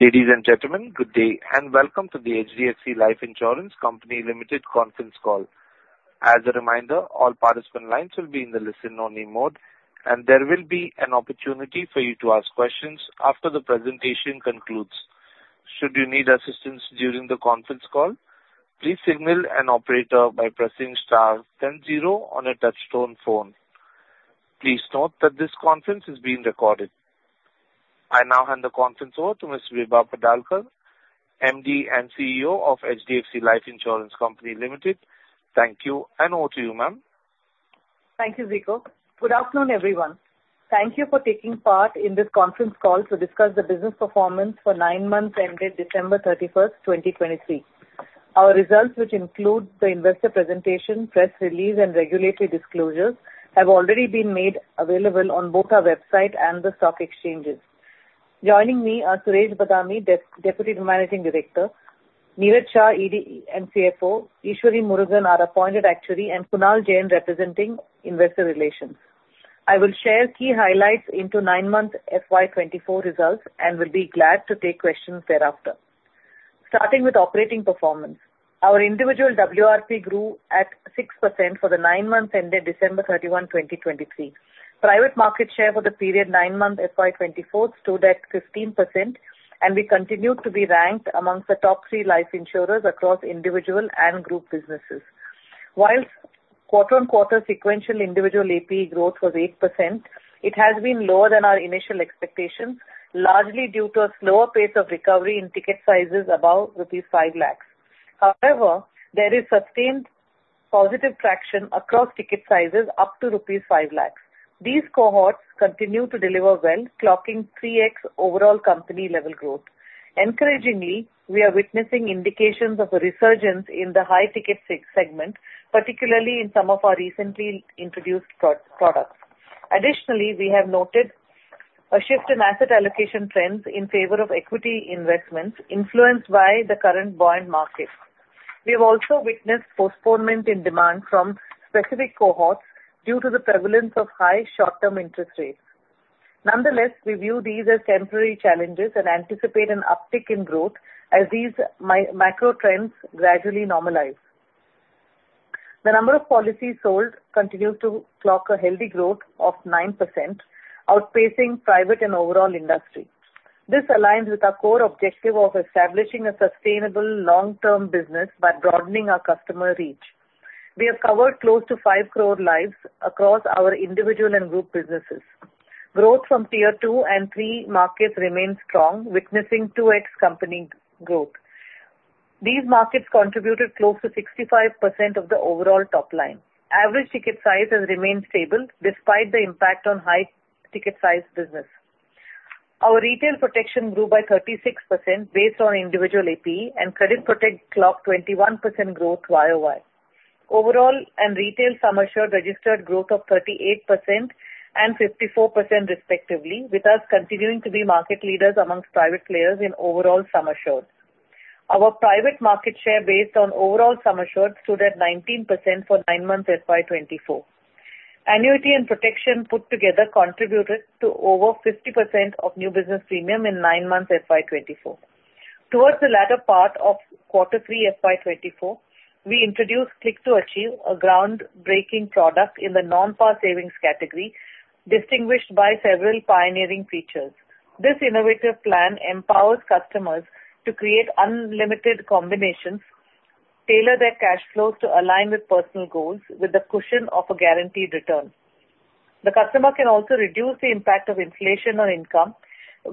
Ladies and gentlemen, good day, and welcome to the HDFC Life Insurance Company Limited conference call. As a reminder, all participant lines will be in the listen-only mode, and there will be an opportunity for you to ask questions after the presentation concludes. Should you need assistance during the conference call, please signal an operator by pressing star ten zero on your touchtone phone. Please note that this conference is being recorded. I now hand the conference over to Ms. Vibha Padalkar, MD and CEO of HDFC Life Insurance Company Limited. Thank you, and over to you, ma'amir Thank you, Zico. Good afternoon, everyone. Thank you for taking part in this conference call to discuss the business performance for 9 months ended December 31, 2023. Our results, which include the investor presentation, press release, and regulatory disclosures, have already been made available on both our website and the stock exchanges. Joining me are Suresh Badami, Deputy Managing Director, Niraj Shah, ED and CFO, Eswari Murugan, our appointed actuary, and Kunal Jain, representing investor relations. I will share key highlights into 9-month FY 2024 results and will be glad to take questions thereafter. Starting with operating performance, our individual WRP grew at 6% for the 9 months ended December 31, 2023. Private market share for the period 9 months FY 2024 stood at 15%, and we continued to be ranked among the top 3 life insurers across individual and group businesses. While quarter-on-quarter sequential individual APE growth was 8%, it has been lower than our initial expectations, largely due to a slower pace of recovery in ticket sizes above rupees 5 lakhs. However, there is sustained positive traction across ticket sizes up to rupees 5 lakhs. These cohorts continue to deliver well, clocking 3x overall company-level growth. Encouragingly, we are witnessing indications of a resurgence in the high-ticket segment, particularly in some of our recently introduced products. Additionally, we have noted a shift in asset allocation trends in favor of equity investments, influenced by the current buoyant market. We have also witnessed postponement in demand from specific cohorts due to the prevalence of high short-term interest rates. Nonetheless, we view these as temporary challenges and anticipate an uptick in growth as these macro trends gradually normalize. The number of policies sold continues to clock a healthy growth of 9%, outpacing private and overall industry. This aligns with our core objective of establishing a sustainable long-term business by broadening our customer reach. We have covered close to 5 crore lives across our individual and group businesses. Growth from tier two and three markets remains strong, witnessing 2x compounded growth. These markets contributed close to 65% of the overall top line. Average ticket size has remained stable despite the impact on high ticket size business. Our retail protection grew by 36% based on individual APE, and credit protect clocked 21% growth YoY. Overall, and retail sum assured registered growth of 38% and 54% respectively, with us continuing to be market leaders amongst private players in overall sum assured. Our private market share based on overall sum assured stood at 19% for nine months, FY 2024. Annuity and protection put together contributed to over 50% of new business premium in nine months, FY 2024. Towards the latter part of quarter three, FY 2024, we introduced Click 2 Achieve, a groundbreaking product in the non-par savings category, distinguished by several pioneering features. This innovative plan empowers customers to create unlimited combinations, tailor their cash flows to align with personal goals, with the cushion of a guaranteed return. The customer can also reduce the impact of inflation on income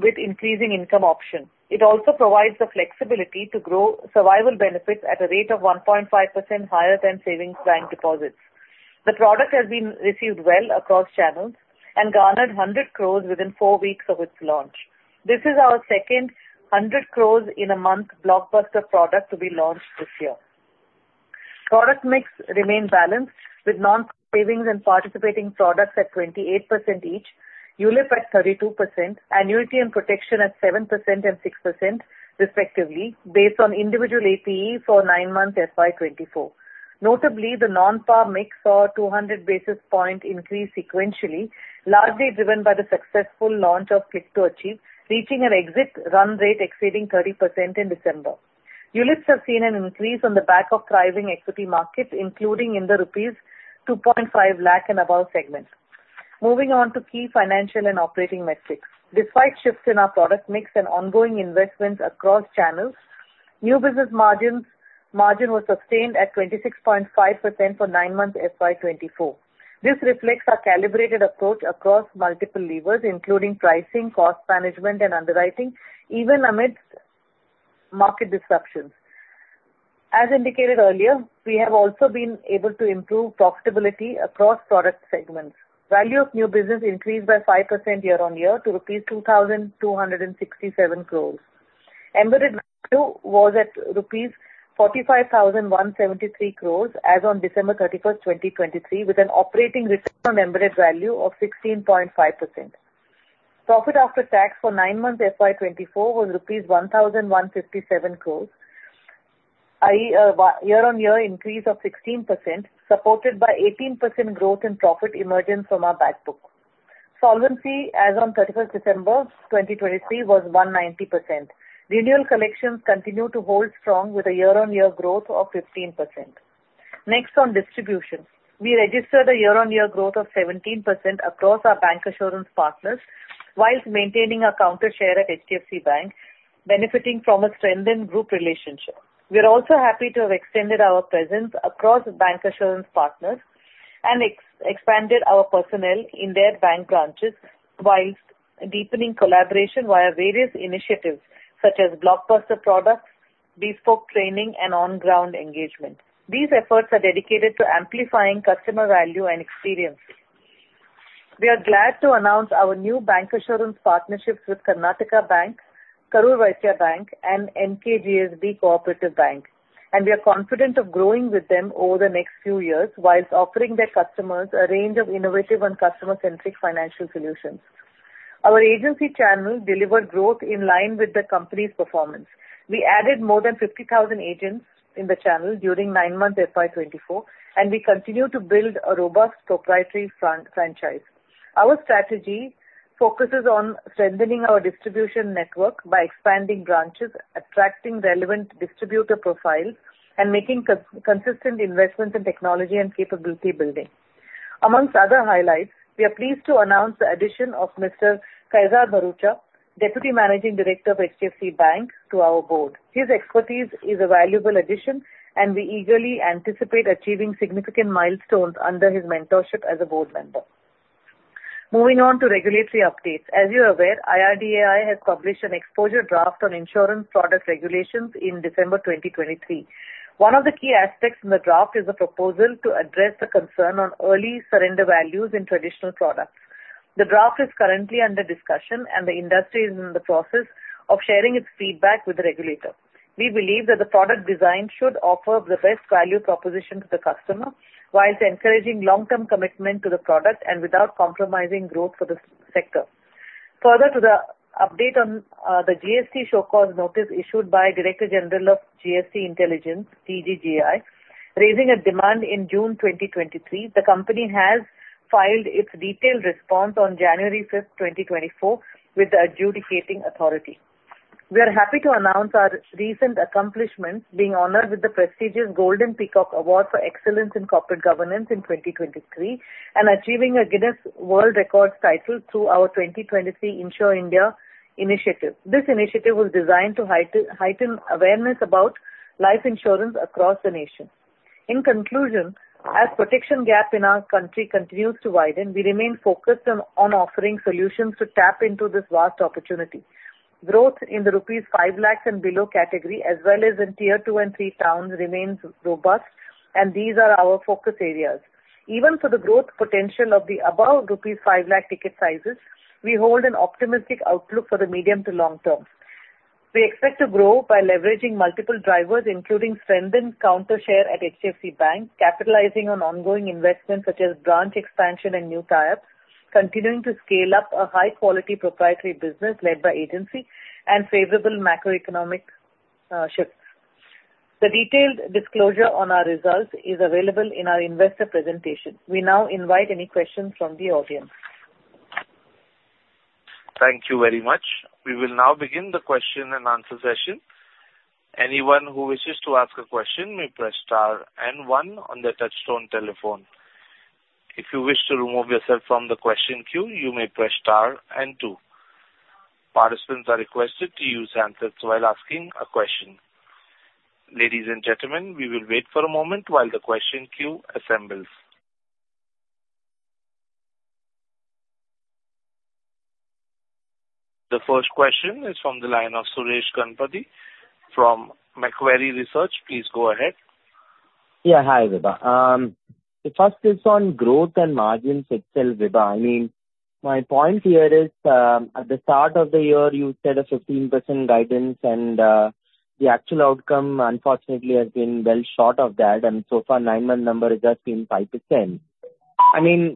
with increasing income options. It also provides the flexibility to grow survival benefits at a rate of 1.5% higher than savings bank deposits. The product has been received well across channels and garnered 100 crore within four weeks of its launch. This is our second 100 crore in a month blockbuster product to be launched this year. Product mix remained balanced, with non-savings and participating products at 28% each, ULIP at 32%, annuity and protection at 7% and 6% respectively, based on individual APE for nine months, FY 2024. Notably, the non-par mix saw 200 basis point increase sequentially, largely driven by the successful launch of Click 2 Achieve, reaching an exit run rate exceeding 30% in December. ULIPs have seen an increase on the back of thriving equity markets, including in the rupees 2.5 lakh and above segment. Moving on to key financial and operating metrics. Despite shifts in our product mix and ongoing investments across channels, new business margin was sustained at 26.5% for nine months, FY 2024. This reflects our calibrated approach across multiple levers, including pricing, cost management, and underwriting, even amidst market disruptions. As indicated earlier, we have also been able to improve profitability across product segments. Value of new business increased by 5% year-on-year to rupees 2,267 crore. Embedded value was at rupees 45,173 crore as on December 31, 2023, with an operating return on embedded value of 16.5%. Profit after tax for nine months, FY 2024, was rupees 1,157 crore. A year-on-year increase of 16%, supported by 18% growth in profit emergence from our back book. Solvency as on December 31, 2023, was 190%. Renewal collections continue to hold strong with a year-on-year growth of 15%. Next, on distribution. We registered a year-on-year growth of 17% across our bancassurance partners, while maintaining our counter share at HDFC Bank, benefiting from a strengthened group relationship. We are also happy to have extended our presence across bancassurance partners and expanded our personnel in their bank branches, while deepening collaboration via various initiatives, such as blockbuster products, bespoke training, and on-ground engagement. These efforts are dedicated to amplifying customer value and experience. We are glad to announce our new bancassurance partnerships with Karnataka Bank, Karur Vysya Bank, and NKGSB Cooperative Bank, and we are confident of growing with them over the next few years while offering their customers a range of innovative and customer-centric financial solutions. Our agency channel delivered growth in line with the company's performance. We added more than 50,000 agents in the channel during 9 months FY 2024, and we continue to build a robust proprietary franchise. Our strategy focuses on strengthening our distribution network by expanding branches, attracting relevant distributor profiles, and making consistent investments in technology and capability building. Among other highlights, we are pleased to announce the addition of Mr. Kaizad Bharucha, Deputy Managing Director of HDFC Bank, to our board. His expertise is a valuable addition, and we eagerly anticipate achieving significant milestones under his mentorship as a board member. Moving on to regulatory updates. As you are aware, IRDAI has published an exposure draft on insurance product regulations in December 2023. One of the key aspects in the draft is a proposal to address the concern on early surrender values in traditional products. The draft is currently under discussion, and the industry is in the process of sharing its feedback with the regulator. We believe that the product design should offer the best value proposition to the customer while encouraging long-term commitment to the product and without compromising growth for the sector. Further to the update on the GST show cause notice issued by Director General of GST Intelligence, DGGI, raising a demand in June 2023, the company has filed its detailed response on January 5, 2024, with the adjudicating authority. We are happy to announce our recent accomplishments, being honored with the prestigious Golden Peacock Award for Excellence in Corporate Governance in 2023, and achieving a Guinness World Records title through our 2023 Insure India initiative. This initiative was designed to heighten awareness about life insurance across the nation. In conclusion, as protection gap in our country continues to widen, we remain focused on offering solutions to tap into this vast opportunity. Growth in the rupees 5 lakhs and below category, as well as in Tier two and three towns, remains robust, and these are our focus areas. Even for the growth potential of the above rupees 5 lakh ticket sizes, we hold an optimistic outlook for the medium to long term. We expect to grow by leveraging multiple drivers, including strengthened counter share at HDFC Bank, capitalizing on ongoing investments such as branch expansion and new tie-ups, continuing to scale up a high-quality proprietary business led by agency and favorable macroeconomic shifts. The detailed disclosure on our results is available in our investor presentation. We now invite any questions from the audience. Thank you very much. We will now begin the question-and-answer session. Anyone who wishes to ask a question may press star and one on their touchtone telephone. If you wish to remove yourself from the question queue, you may press star and two. Participants are requested to use answers while asking a question. Ladies and gentlemen, we will wait for a moment while the question queue assembles. The first question is from the line of Suresh Ganapathy from Macquarie Research. Please go ahead. Yeah. Hi, Vibha. The first is on growth and margins itself, Vibha. I mean, my point here is, at the start of the year, you set a 15% guidance, and the actual outcome, unfortunately, has been well short of that, and so far, 9-month number has just been 5%. I mean,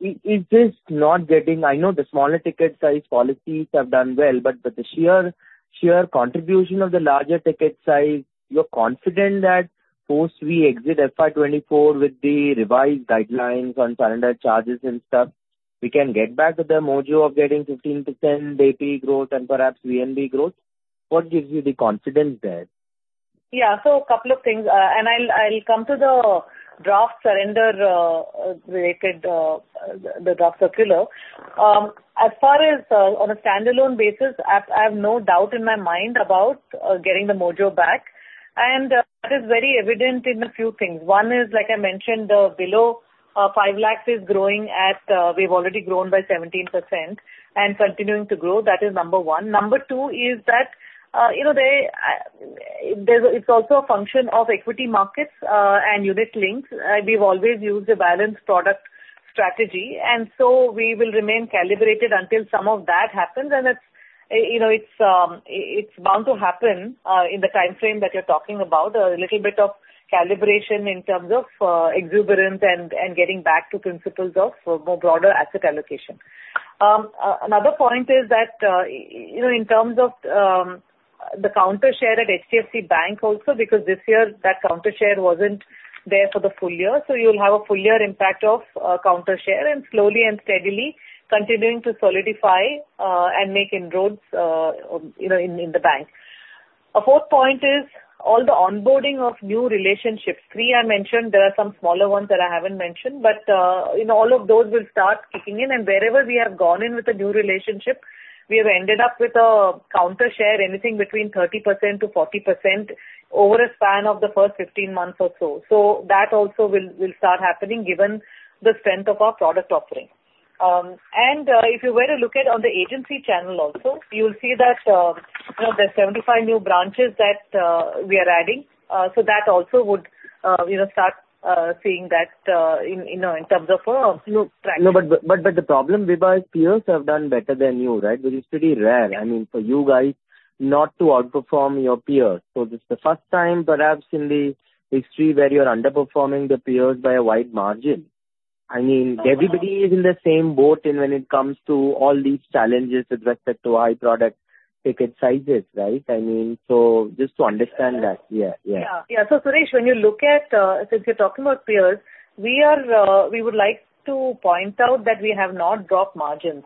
is this not getting... I know the smaller ticket size policies have done well, but the sheer, sheer contribution of the larger ticket size, you're confident that post we exit FY 2024 with the revised guidelines on surrender charges and stuff, we can get back to the mojo of getting 15% AP growth and perhaps VNB growth. What gives you the confidence there? Yeah, so a couple of things. And I'll come to the draft surrender related the draft circular. As far as on a standalone basis, I have no doubt in my mind about getting the mojo back, and that is very evident in a few things. One is, like I mentioned, below 5 lakhs is growing at, we've already grown by 17% and continuing to grow. That is number one. Number two is that you know they there's it's also a function of equity markets and unit links. We've always used a balanced product strategy, and so we will remain calibrated until some of that happens. It's you know it's bound to happen in the timeframe that you're talking about. A little bit of calibration in terms of exuberance and getting back to principles of more broader asset allocation. Another point is that, you know, in terms of the counter share at HDFC Bank also, because this year that counter share wasn't there for the full year, so you'll have a full year impact of counter share and slowly and steadily continuing to solidify and make inroads, you know, in the bank. A fourth point is all the onboarding of new relationships. Three I mentioned, there are some smaller ones that I haven't mentioned, but, you know, all of those will start kicking in, and wherever we have gone in with a new relationship, we have ended up with a counter share anything between 30%-40% over a span of the first 15 months or so. So that also will start happening given the strength of our product offering. And if you were to look at on the agency channel also, you'll see that, you know, there's 75 new branches that we are adding, so that also would, you know, start seeing that in, you know, in terms of, you know- No, but the problem, Vibha, is peers have done better than you, right? Which is pretty rare, I mean, for you guys not to outperform your peers. So this is the first time perhaps in the history where you're underperforming the peers by a wide margin. I mean, everybody is in the same boat and when it comes to all these challenges with respect to high product ticket sizes, right? I mean, so just to understand that, yeah, yeah. Yeah. Yeah, so Suresh, when you look at, since you're talking about peers, we are, we would like to point out that we have not dropped margins.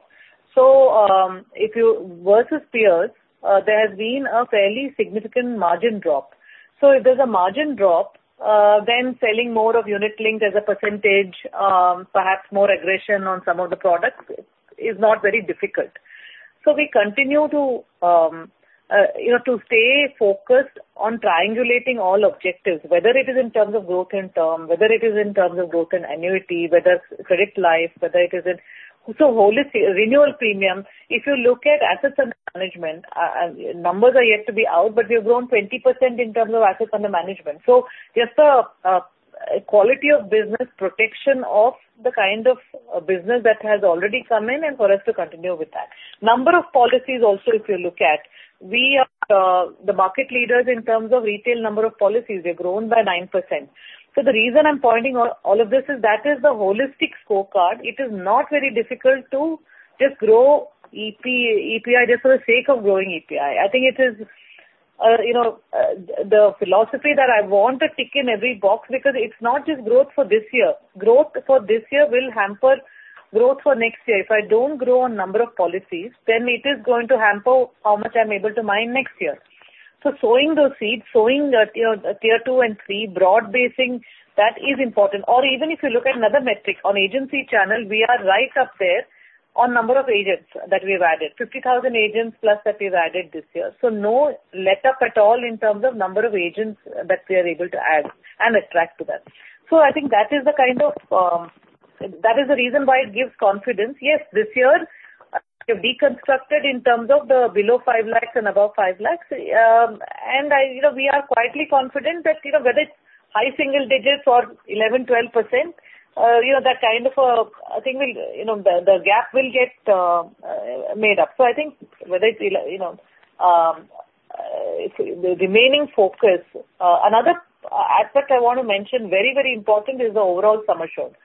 So, if you versus peers, there has been a fairly significant margin drop. So if there's a margin drop, then selling more of unit linked as a percentage, perhaps more aggression on some of the products, is not very difficult. So we continue to, you know, to stay focused on triangulating all objectives, whether it is in terms of growth in term, whether it is in terms of growth in annuity, whether it's credit life, whether it is in so holistic renewal premium. If you look at assets under management, numbers are yet to be out, but we've grown 20% in terms of assets under management. So just the quality of business protection of the kind of business that has already come in and for us to continue with that. Number of policies also, if you look at, we are the market leaders in terms of retail number of policies, we've grown by 9%. So the reason I'm pointing all all of this is that is the holistic scorecard. It is not very difficult to just grow APE just for the sake of growing APE. I think it is you know the philosophy that I want to tick in every box because it's not just growth for this year. Growth for this year will hamper growth for next year. If I don't grow on number of policies, then it is going to hamper how much I'm able to mine next year. So sowing those seeds, you know, tier two and three, broad basing, that is important. Or even if you look at another metric, on agency channel, we are right up there on number of agents that we've added. 50,000 agents plus that we've added this year. So no letup at all in terms of number of agents that we are able to add and attract to that. So I think that is the kind of that is the reason why it gives confidence. Yes, this year, we've deconstructed in terms of the below 5 lakh and above 5 lakh, and I you know, we are quietly confident that you know, whether it's high single digits or 11%-12%, you know, that kind of I think will you know, the gap will get made up. So I think whether it's, you know, the remaining focus. Another aspect I want to mention, very, very important is the overall sum assured.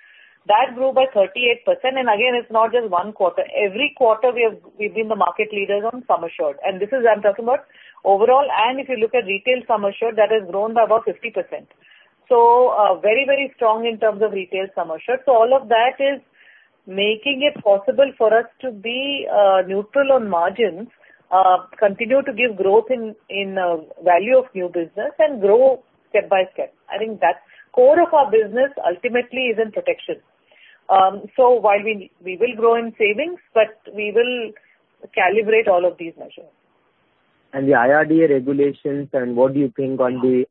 That grew by 38%, and again, it's not just one quarter. Every quarter, we've been the market leaders on sum assured, and this is, I'm talking about overall, and if you look at retail sum assured, that has grown by about 50%. So, very, very strong in terms of retail sum assured. So all of that is making it possible for us to be neutral on margins, continue to give growth in value of new business and grow step by step. I think that core of our business ultimately is in protection. So while we will grow in savings, but we will calibrate all of these measures. The IRDAI regulations and what do you think on the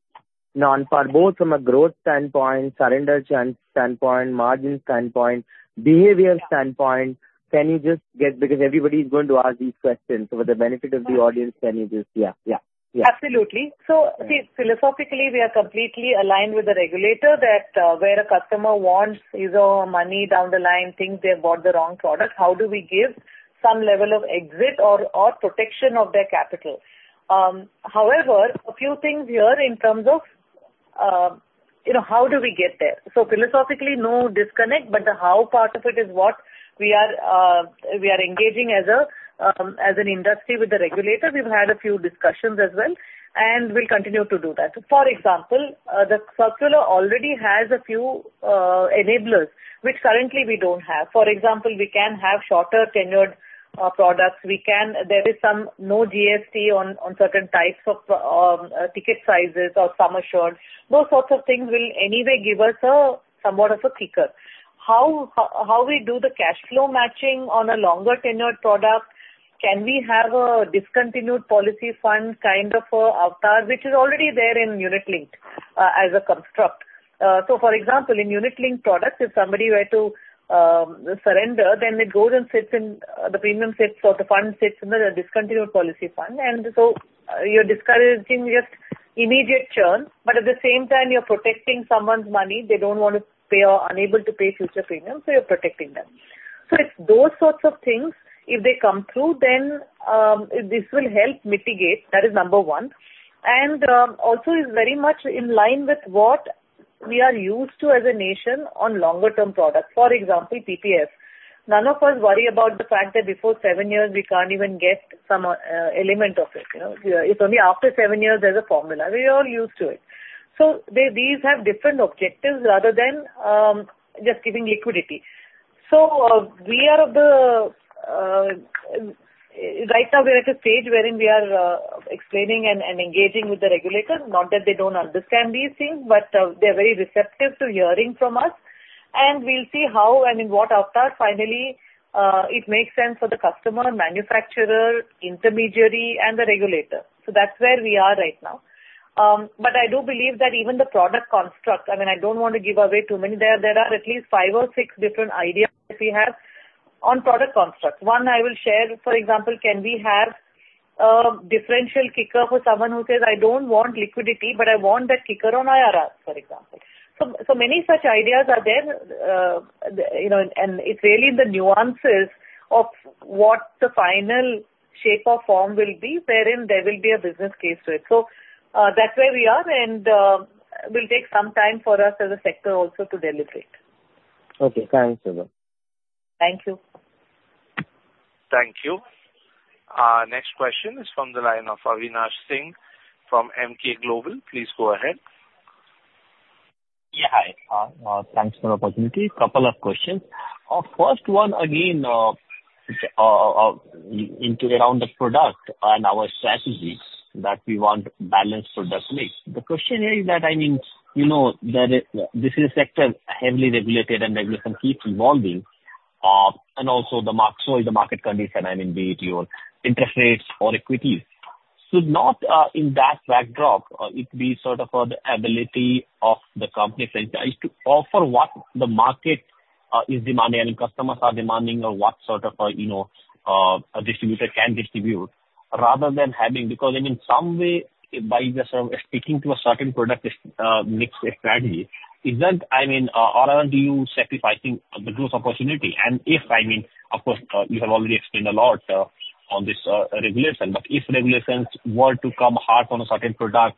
non-par both from a growth standpoint, surrender standpoint, margin standpoint, behavior standpoint, can you just get... Because everybody is going to ask these questions. So for the benefit of the audience, can you just, yeah, yeah, yeah. Absolutely. So see, philosophically, we are completely aligned with the regulator that, where a customer wants his money down the line, thinks they bought the wrong product, how do we give some level of exit or, or protection of their capital? However, a few things here in terms of, you know, how do we get there? So philosophically, no disconnect, but the how part of it is what we are, we are engaging as a, as an industry with the regulator. We've had a few discussions as well, and we'll continue to do that. For example, the circular already has a few enablers, which currently we don't have. For example, we can have shorter tenured products. We can. There is some no GST on, on certain types of ticket sizes or sum assureds. Those sorts of things will anyway give us a somewhat of a ticker. How we do the cash flow matching on a longer tenured product? Can we have a discontinued policy fund kind of a avatar, which is already there in unit link, as a construct? So for example, in unit-linked products, if somebody were to surrender, then it goes and sits in the premium sits or the fund sits in the discontinued policy fund, and so you're discouraging just immediate churn, but at the same time, you're protecting someone's money. They don't want to pay or unable to pay future premiums, so you're protecting them. So it's those sorts of things, if they come through, then this will help mitigate, that is number one, and also is very much in line with what-... We are used to as a nation on longer-term products, for example, PPF. None of us worry about the fact that before seven years, we can't even get some element of it, you know? It's only after seven years there's a formula. We are all used to it. So these have different objectives rather than just giving liquidity. So we are right now, we're at a stage wherein we are explaining and engaging with the regulator. Not that they don't understand these things, but they're very receptive to hearing from us, and we'll see how and in what avatar finally it makes sense for the customer, manufacturer, intermediary, and the regulator. So that's where we are right now. But I do believe that even the product construct, I mean, I don't want to give away too many. There are at least five or six different ideas we have on product construct. One I will share, for example, can we have a differential kicker for someone who says, "I don't want liquidity, but I want that kicker on IRR," for example. So many such ideas are there, you know, and it's really the nuances of what the final shape or form will be, wherein there will be a business case to it. So, that's where we are, and will take some time for us as a sector also to deliberate. Okay, thanks, Vibha. Thank you. Thank you. Next question is from the line of Avinash Singh from Emkay Global. Please go ahead. Yeah, hi. Thanks for the opportunity. Couple of questions. First one, again, on the product and our strategies that we want to balance the slate. The question here is that, I mean, you know, that this is a sector heavily regulated, and regulation keeps evolving, and also the market, so is the market condition, I mean, be it your interest rates or equities. Should not, in that backdrop, it be sort of, the ability of the company franchise to offer what the market, is demanding, and customers are demanding, or what sort of, you know, a distributor can distribute, rather than having... Because, I mean, some way by just sticking to a certain product, mix strategy, isn't, I mean, aren't you sacrificing the growth opportunity? I mean, of course, you have already explained a lot on this regulation, but if regulations were to come hard on a certain product,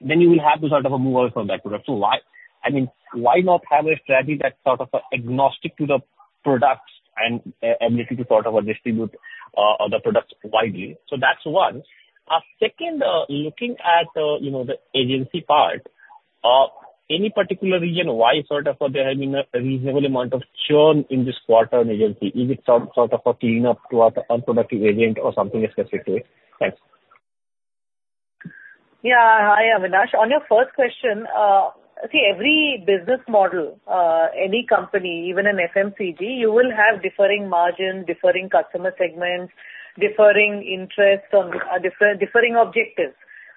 then you will have to sort of move on from that product. So why, I mean, why not have a strategy that's sort of agnostic to the products and ability to sort of distribute the products widely? So that's one. Second, looking at, you know, the agency part, any particular reason why sort of there have been a reasonable amount of churn in this quarter on agency? Is it some sort of a cleanup to our unproductive agent or something specific? Thanks. Yeah. Hi, Avinash. On your first question, see, every business model, any company, even an FMCG, you will have differing margins, differing customer segments, differing interests on, differing objectives.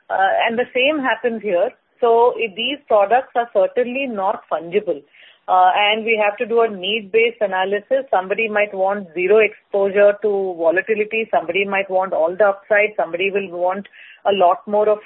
And the same happens here. So these products are certainly not fungible, and we have to do a need-based analysis. Somebody might want zero exposure to volatility, somebody might want all the upside, somebody will want a lot more of,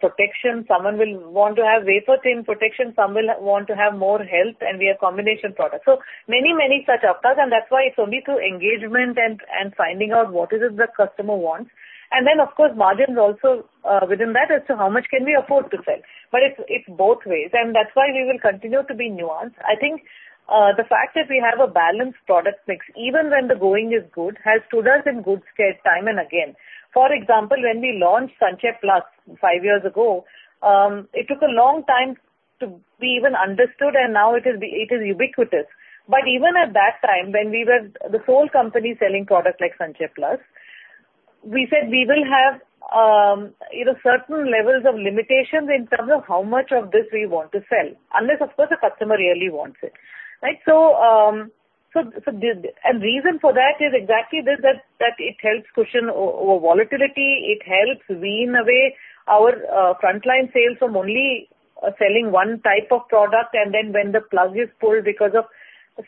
protection, someone will want to have vapor-thin protection, some will want to have more health, and we have combination products. So many, many such avatars, and that's why it's only through engagement and, finding out what it is the customer wants. And then, of course, margins also, within that as to how much can we afford to sell. But it's both ways, and that's why we will continue to be nuanced. I think the fact that we have a balanced product mix, even when the going is good, has stood us in good stead time and again. For example, when we launched Sanchay Plus five years ago, it took a long time to be even understood, and now it is ubiquitous. But even at that time, when we were the whole company selling products like Sanchay Plus, we said we will have, you know, certain levels of limitations in terms of how much of this we want to sell, unless, of course, the customer really wants it, right? So, the reason for that is exactly this, that it helps cushion over volatility, it helps wean away our frontline sales from only selling one type of product, and then when the plug is pulled because of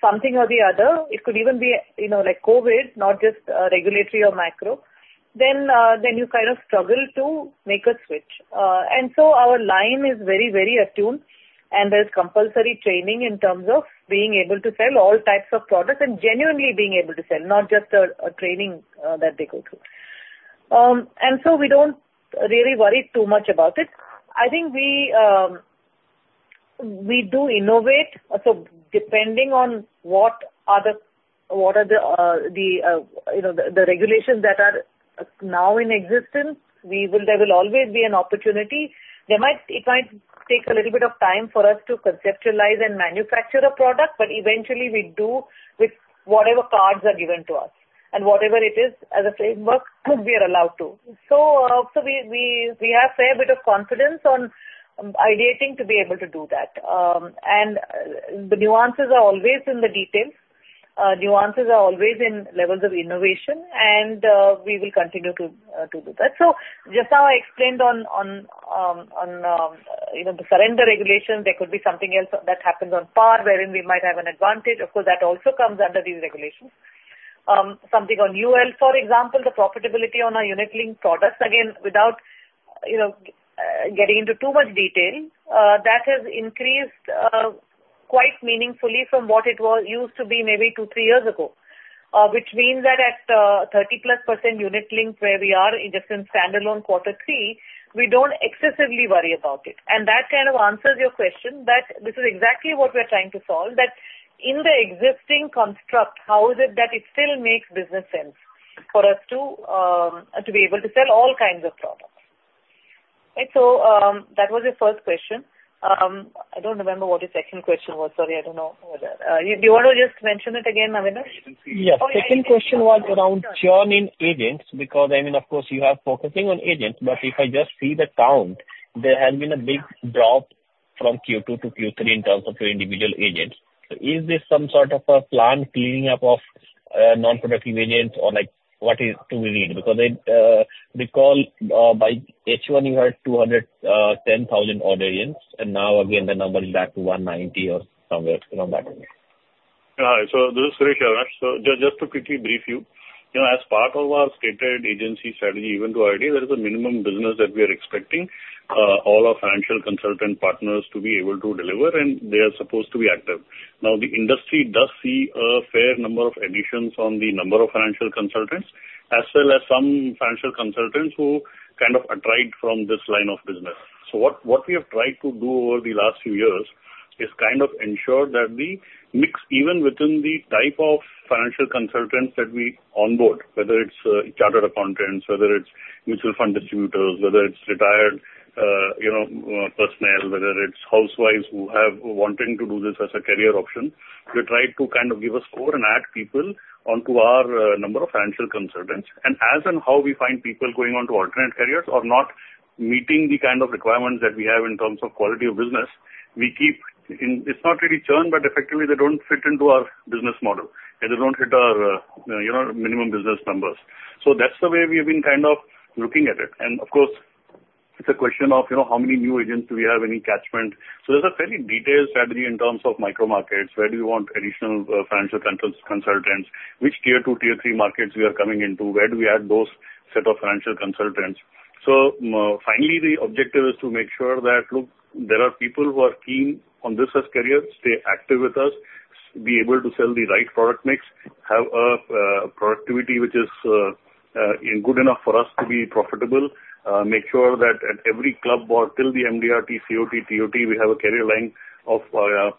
something or the other, it could even be, you know, like COVID, not just regulatory or macro, then you kind of struggle to make a switch. And so our line is very, very attuned, and there's compulsory training in terms of being able to sell all types of products and genuinely being able to sell, not just a training that they go through. And so we don't really worry too much about it. I think we do innovate. So depending on the regulations that are now in existence, we will—there will always be an opportunity. There might—it might take a little bit of time for us to conceptualize and manufacture the product, but eventually, we do with whatever cards are given to us and whatever it is, as a framework, we are allowed to. So we have fair bit of confidence on ideating to be able to do that. And the nuances are always in the details, nuances are always in levels of innovation, and we will continue to do that. So just how I explained on you know, the surrender regulations, there could be something else that happens on non-par, wherein we might have an advantage. Of course, that also comes under these regulations. Something on UL, for example, the profitability on our unit-linked products, again, without, you know, getting into too much detail, that has increased quite meaningfully from what it was used to be maybe 2, 3 years ago, which means that at 30+% unit link where we are in just in standalone quarter three, we don't excessively worry about it. And that kind of answers your question, that this is exactly what we are trying to solve, that in the existing construct, how is it that it still makes business sense for us to be able to sell all kinds of products? Right. So, that was your first question. I don't remember what your second question was. Sorry, I don't know. Do you want to just mention it again, Avinash? Yes. Okay. The second question was around churning agents, because, I mean, of course, you are focusing on agents, but if I just see the count, there has been a big drop from Q2 to Q3 in terms of your individual agents. So is this some sort of a planned cleaning up of non-productive agents, or, like, what is do we read? Because, recall, by H1, you had 210,000 odd agents, and now again, the number is back to 190 or somewhere around that range. Hi. This is Suresh here. Just, just to quickly brief you, you know, as part of our stated agency strategy, even though already there is a minimum business that we are expecting all our financial consultant partners to be able to deliver, and they are supposed to be active. Now, the industry does see a fair number of additions on the number of financial consultants, as well as some financial consultants who kind of attrite from this line of business. So what we have tried to do over the last few years is kind of ensure that the mix, even within the type of financial consultants that we onboard, whether it's chartered accountants, whether it's mutual fund distributors, whether it's retired, you know, personnel, whether it's housewives who have wanting to do this as a career option, we try to kind of give a score and add people onto our number of financial consultants. And as and how we find people going on to alternate careers or not meeting the kind of requirements that we have in terms of quality of business, we keep in. It's not really churn, but effectively they don't fit into our business model, and they don't hit our, you know, minimum business numbers. So that's the way we have been kind of looking at it. And of course, it's a question of, you know, how many new agents do we have any catchment? So there's a fairly detailed strategy in terms of micro markets. Where do you want additional financial consultants, consultants? Which tier two, tier three markets we are coming into? Where do we add those set of financial consultants? So finally, the objective is to make sure that, look, there are people who are keen on this as career, stay active with us, be able to sell the right product mix, have a productivity which is good enough for us to be profitable, make sure that at every club or till the MDRT, COT, TOT, we have a career line of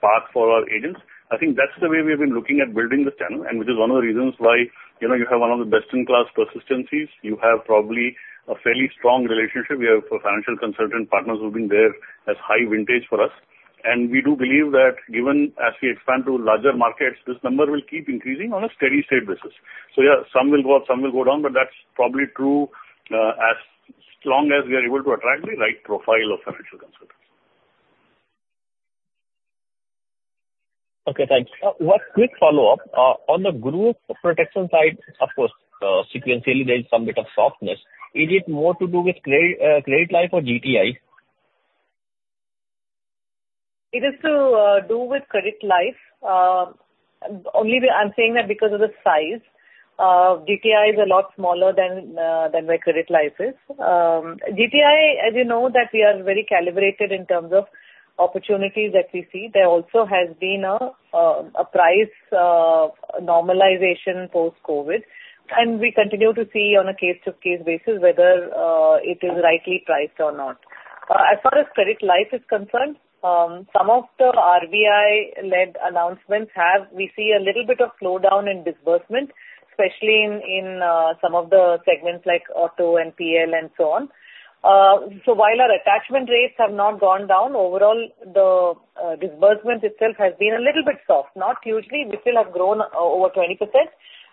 path for our agents. I think that's the way we've been looking at building this channel, and which is one of the reasons why, you know, you have one of the best-in-class persistencies. You have probably a fairly strong relationship. We have financial consultant partners who've been there as high vintage for us. And we do believe that given as we expand to larger markets, this number will keep increasing on a steady state basis. So yeah, some will go up, some will go down, but that's probably true, as long as we are able to attract the right profile of financial consultants. Okay, thanks. One quick follow-up. On the group protection side, of course, sequentially, there is some bit of softness. Is it more to do with credit, credit life or GTI? It is to do with credit life. Only I'm saying that because of the size. GTI is a lot smaller than my credit life is. GTI, as you know, that we are very calibrated in terms of opportunities that we see. There also has been a price normalization post-COVID, and we continue to see on a case-to-case basis whether it is rightly priced or not. As far as credit life is concerned, some of the RBI-led announcements have... We see a little bit of slowdown in disbursement, especially in some of the segments like auto and PL, and so on. So while our attachment rates have not gone down, overall, the disbursement itself has been a little bit soft. Not hugely. We still have grown over 20%,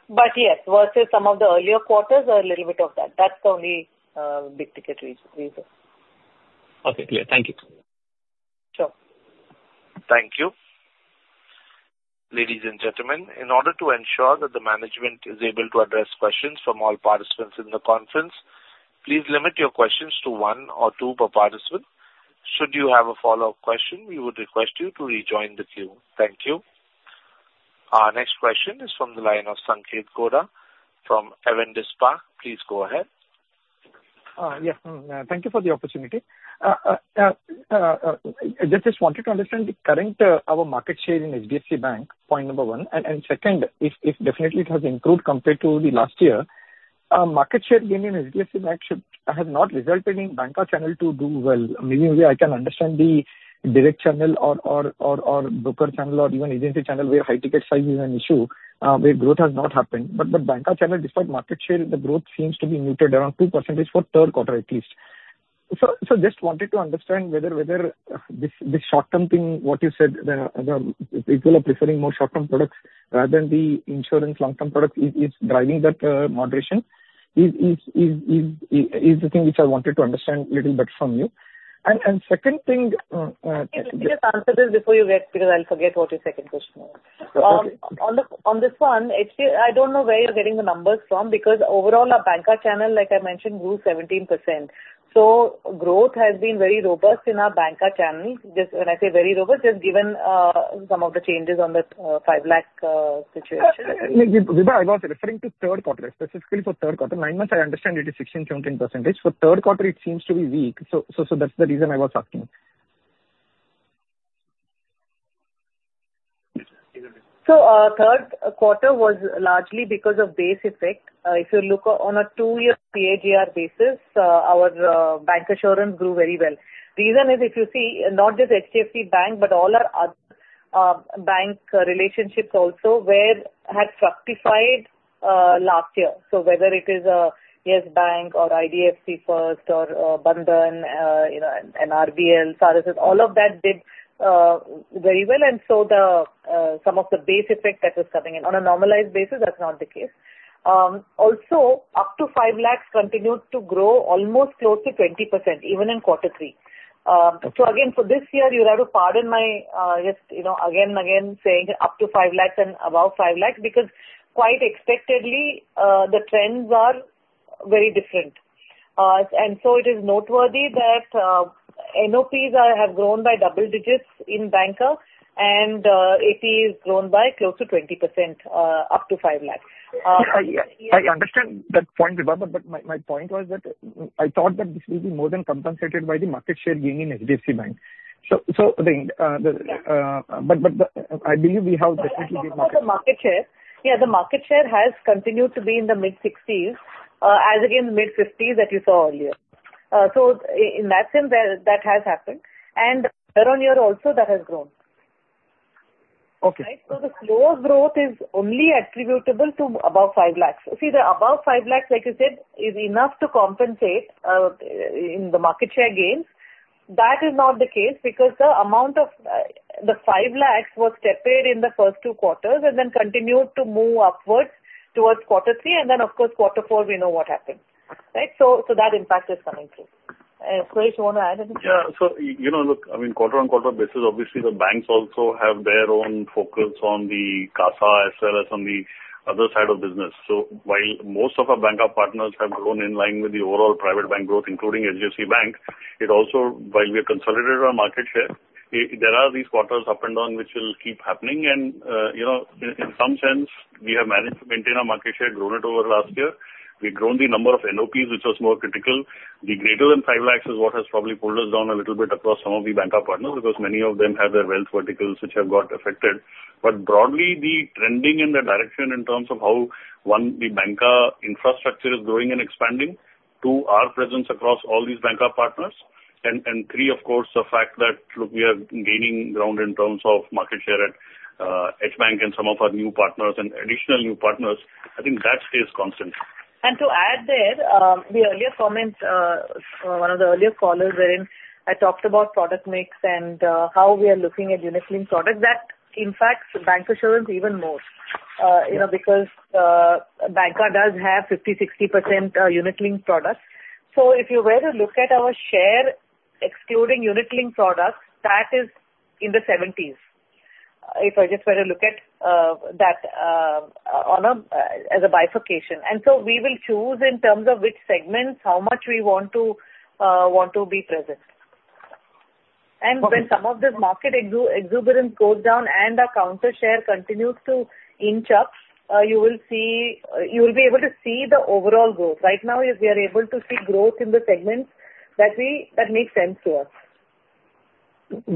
but yes, versus some of the earlier quarters, a little bit of that. That's the only big ticket reason. Okay, clear. Thank you. Sure. Thank you. Ladies and gentlemen, in order to ensure that the management is able to address questions from all participants in the conference, please limit your questions to one or two per participant. Should you have a follow-up question, we would request you to rejoin the queue. Thank you. Our next question is from the line of Sanketh Godha from Avendus Spark. Please go ahead. Yeah. Thank you for the opportunity. I just wanted to understand the current our market share in HDFC Bank, point number one. And second, if definitely it has improved compared to the last year, market share gain in HDFC Bank should has not resulted in banca channel to do well. Maybe I can understand the direct channel or broker channel or even agency channel, where high ticket size is an issue, where growth has not happened. But the banca channel, despite market share, the growth seems to be muted around 2% for third quarter, at least. So just wanted to understand whether this short-term thing, what you said, the people are preferring more short-term products rather than the insurance long-term product is driving that moderation? Is the thing which I wanted to understand a little bit from you. And second thing, Let me just answer this before you get, because I'll forget what your second question was. Okay. On this one, actually, I don't know where you're getting the numbers from, because overall, our banca channel, like I mentioned, grew 17%. So growth has been very robust in our banca channel. Just when I say very robust, just given some of the changes on the 5 lakh situation. Vibha, I was referring to third quarter, specifically for third quarter. 9 months, I understand it is 16, 17%. For third quarter, it seems to be weak. So that's the reason I was asking.... So, third quarter was largely because of base effect. If you look on a 2-year CAGR basis, our bancassurance grew very well. The reason is, if you see, not just HDFC Bank, but all our other bank relationships also where had fructified last year. So whether it is Yes Bank or IDFC FIRST or Bandhan, you know, and RBL, Saraswat, all of that did very well, and so the some of the base effect that was coming in. On a normalized basis, that's not the case. Also, up to 5 lakhs continued to grow almost close to 20%, even in quarter three. So again, for this year, you'll have to pardon my just, you know, again and again saying up to 5 lakhs and above 5 lakhs, because quite expectedly the trends are very different. And so it is noteworthy that NOPs have grown by double digits in banca and it is grown by close to 20% up to 5 lakhs. Yeah, I understand that point, Vibha, but my point was that I thought that this will be more than compensated by the market share gain in HDFC Bank. So, I mean, but I believe we have definitely gained market- I talked about the market share. Yeah, the market share has continued to be in the mid-sixties, as again, mid-fifties that you saw earlier. So in that sense, that has happened, and year-on-year also that has grown. Okay. Right? So the slow growth is only attributable to above 5 lakhs. See, the above 5 lakhs, like you said, is enough to compensate in the market share gains. That is not the case because the amount of the 5 lakhs was tapered in the first 2 quarters and then continued to move upwards towards quarter three, and then, of course, quarter four, we know what happened, right? So, so that impact is coming through. Suresh, you want to add anything? Yeah. So, you know, look, I mean, quarter-on-quarter basis, obviously, the banks also have their own focus on the CASA as well as on the other side of business. So while most of our banca partners have grown in line with the overall private bank growth, including HDFC Bank, it also, while we have consolidated our market share, there are these quarters up and down, which will keep happening. And, you know, in some sense, we have managed to maintain our market share, grown it over last year. We've grown the number of NOPs, which was more critical. The greater than 5 lakhs is what has probably pulled us down a little bit across some of the banca partners, because many of them have their wealth verticals, which have got affected. But broadly, the trending in the direction in terms of how, one, the banca infrastructure is growing and expanding, two, our presence across all these banca partners, and, and three, of course, the fact that look, we are gaining ground in terms of market share at HDFC Bank and some of our new partners and additional new partners, I think that stays constant. To add there, the earlier comment, so one of the earlier callers wherein I talked about product mix and how we are looking at unit-linked products, that impacts bancassurance even more, you know, because banca does have 50%-60% unit-linked products. So if you were to look at our share excluding unit-linked products, that is in the 70s. If I just were to look at that, on a as a bifurcation, and so we will choose in terms of which segments, how much we want to want to be present. Okay. When some of this market exuberance goes down and our Counter Share continues to inch up, you will see, you will be able to see the overall growth. Right now, we are able to see growth in the segments that we, that make sense to us.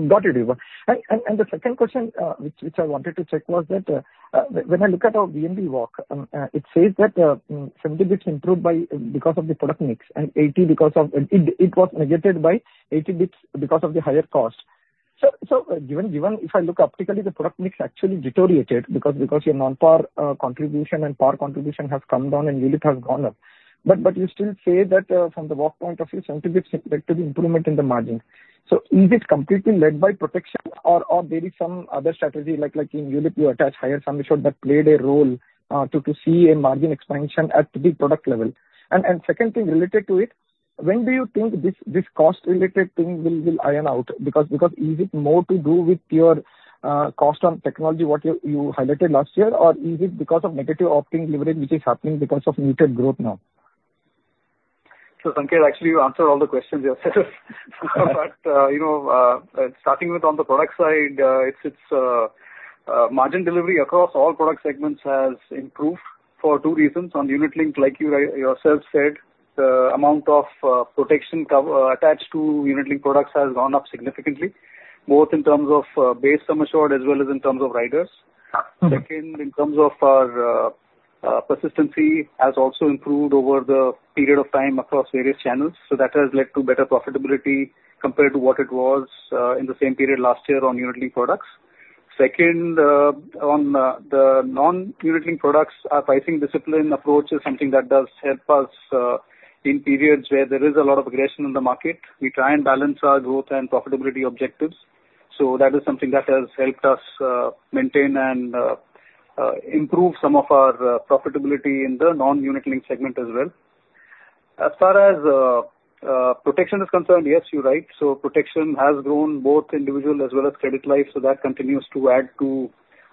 Got it, Vibha. And the second question, which I wanted to check was that, when I look at our VNB work, it says that, 70 basis points improved because of the product mix, and 80 because of... It was negated by 80 basis points because of the higher cost. So given if I look optically, the product mix actually deteriorated, because your non-par contribution and par contribution has come down and unit has gone up. But you still say that, from the VNB point of view, 70 basis points led to the improvement in the margin. So is it completely led by protection or there is some other strategy, like in Unit, you attach higher sum assured that played a role, to see a margin expansion at the product level? And, second thing related to it, when do you think this cost-related thing will iron out? Because, is it more to do with your cost on technology, what you highlighted last year, or is it because of negative operating leverage, which is happening because of muted growth now? So, Sanketh, actually, you answered all the questions yourself. But, you know, starting with on the product side, it's margin delivery across all product segments has improved for two reasons. On unit-linked, like you yourself said, the amount of protection cover attached to unit-linked products has gone up significantly, both in terms of base sum assured as well as in terms of riders. Mm-hmm. Second, in terms of our persistency has also improved over the period of time across various channels, so that has led to better profitability compared to what it was in the same period last year on unit-linked products. Second, on the non-unit linked products, our pricing discipline approach is something that does help us in periods where there is a lot of aggression in the market. We try and balance our growth and profitability objectives. So that is something that has helped us maintain and improve some of our profitability in the non-unit linked segment as well. As far as protection is concerned, yes, you're right. So protection has grown both individual as well as credit life, so that continues to add to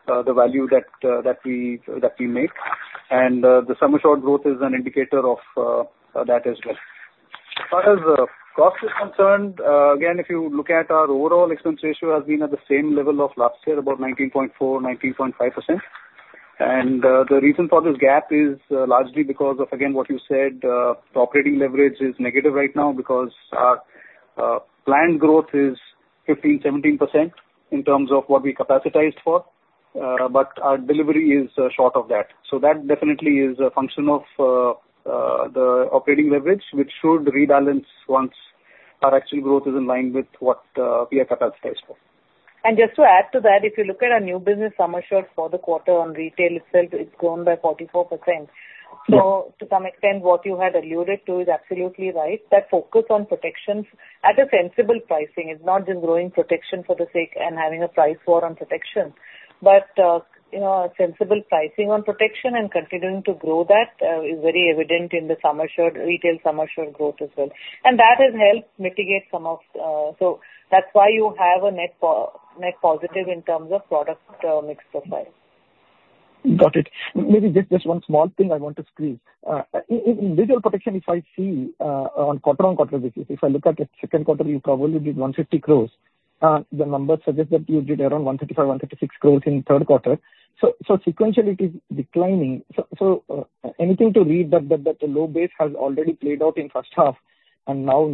the value that that we that we make. And, the sum assured growth is an indicator of that as well. As far as cost is concerned, again, if you look at our overall expense ratio has been at the same level of last year, about 19.4%-19.5%.... And, the reason for this gap is largely because of, again, what you said, the operating leverage is negative right now because our planned growth is 15%-17% in terms of what we capacitated for, but our delivery is short of that. So that definitely is a function of the operating leverage, which should rebalance once our actual growth is in line with what we are capacitated for. Just to add to that, if you look at our new business sum assured for the quarter on retail itself, it's grown by 44%. So to some extent, what you had alluded to is absolutely right, that focus on protection at a sensible pricing. It's not just growing protection for the sake and having a price war on protection, but, you know, a sensible pricing on protection and continuing to grow that, is very evident in the sum assured—retail sum assured growth as well. And that has helped mitigate some of. So that's why you have a net positive in terms of product mix profile. Got it. Maybe just one small thing I want to screen. In digital protection, if I see on quarter-on-quarter basis, if I look at the second quarter, you probably did 150 crore. The numbers suggest that you did around 135-136 crore in third quarter. So, anything to read that the low base has already played out in first half, and now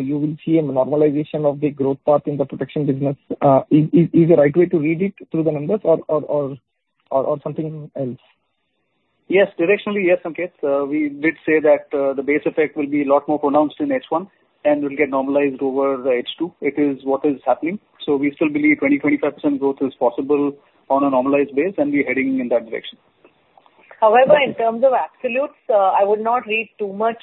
you will see a normalization of the growth path in the protection business? Is the right way to read it through the numbers or something else? Yes, directionally, yes, Sanketh. We did say that, the base effect will be a lot more pronounced in H1, and will get normalized over H2. It is what is happening. So we still believe 20-25% growth is possible on a normalized base, and we're heading in that direction. However, in terms of absolutes, I would not read too much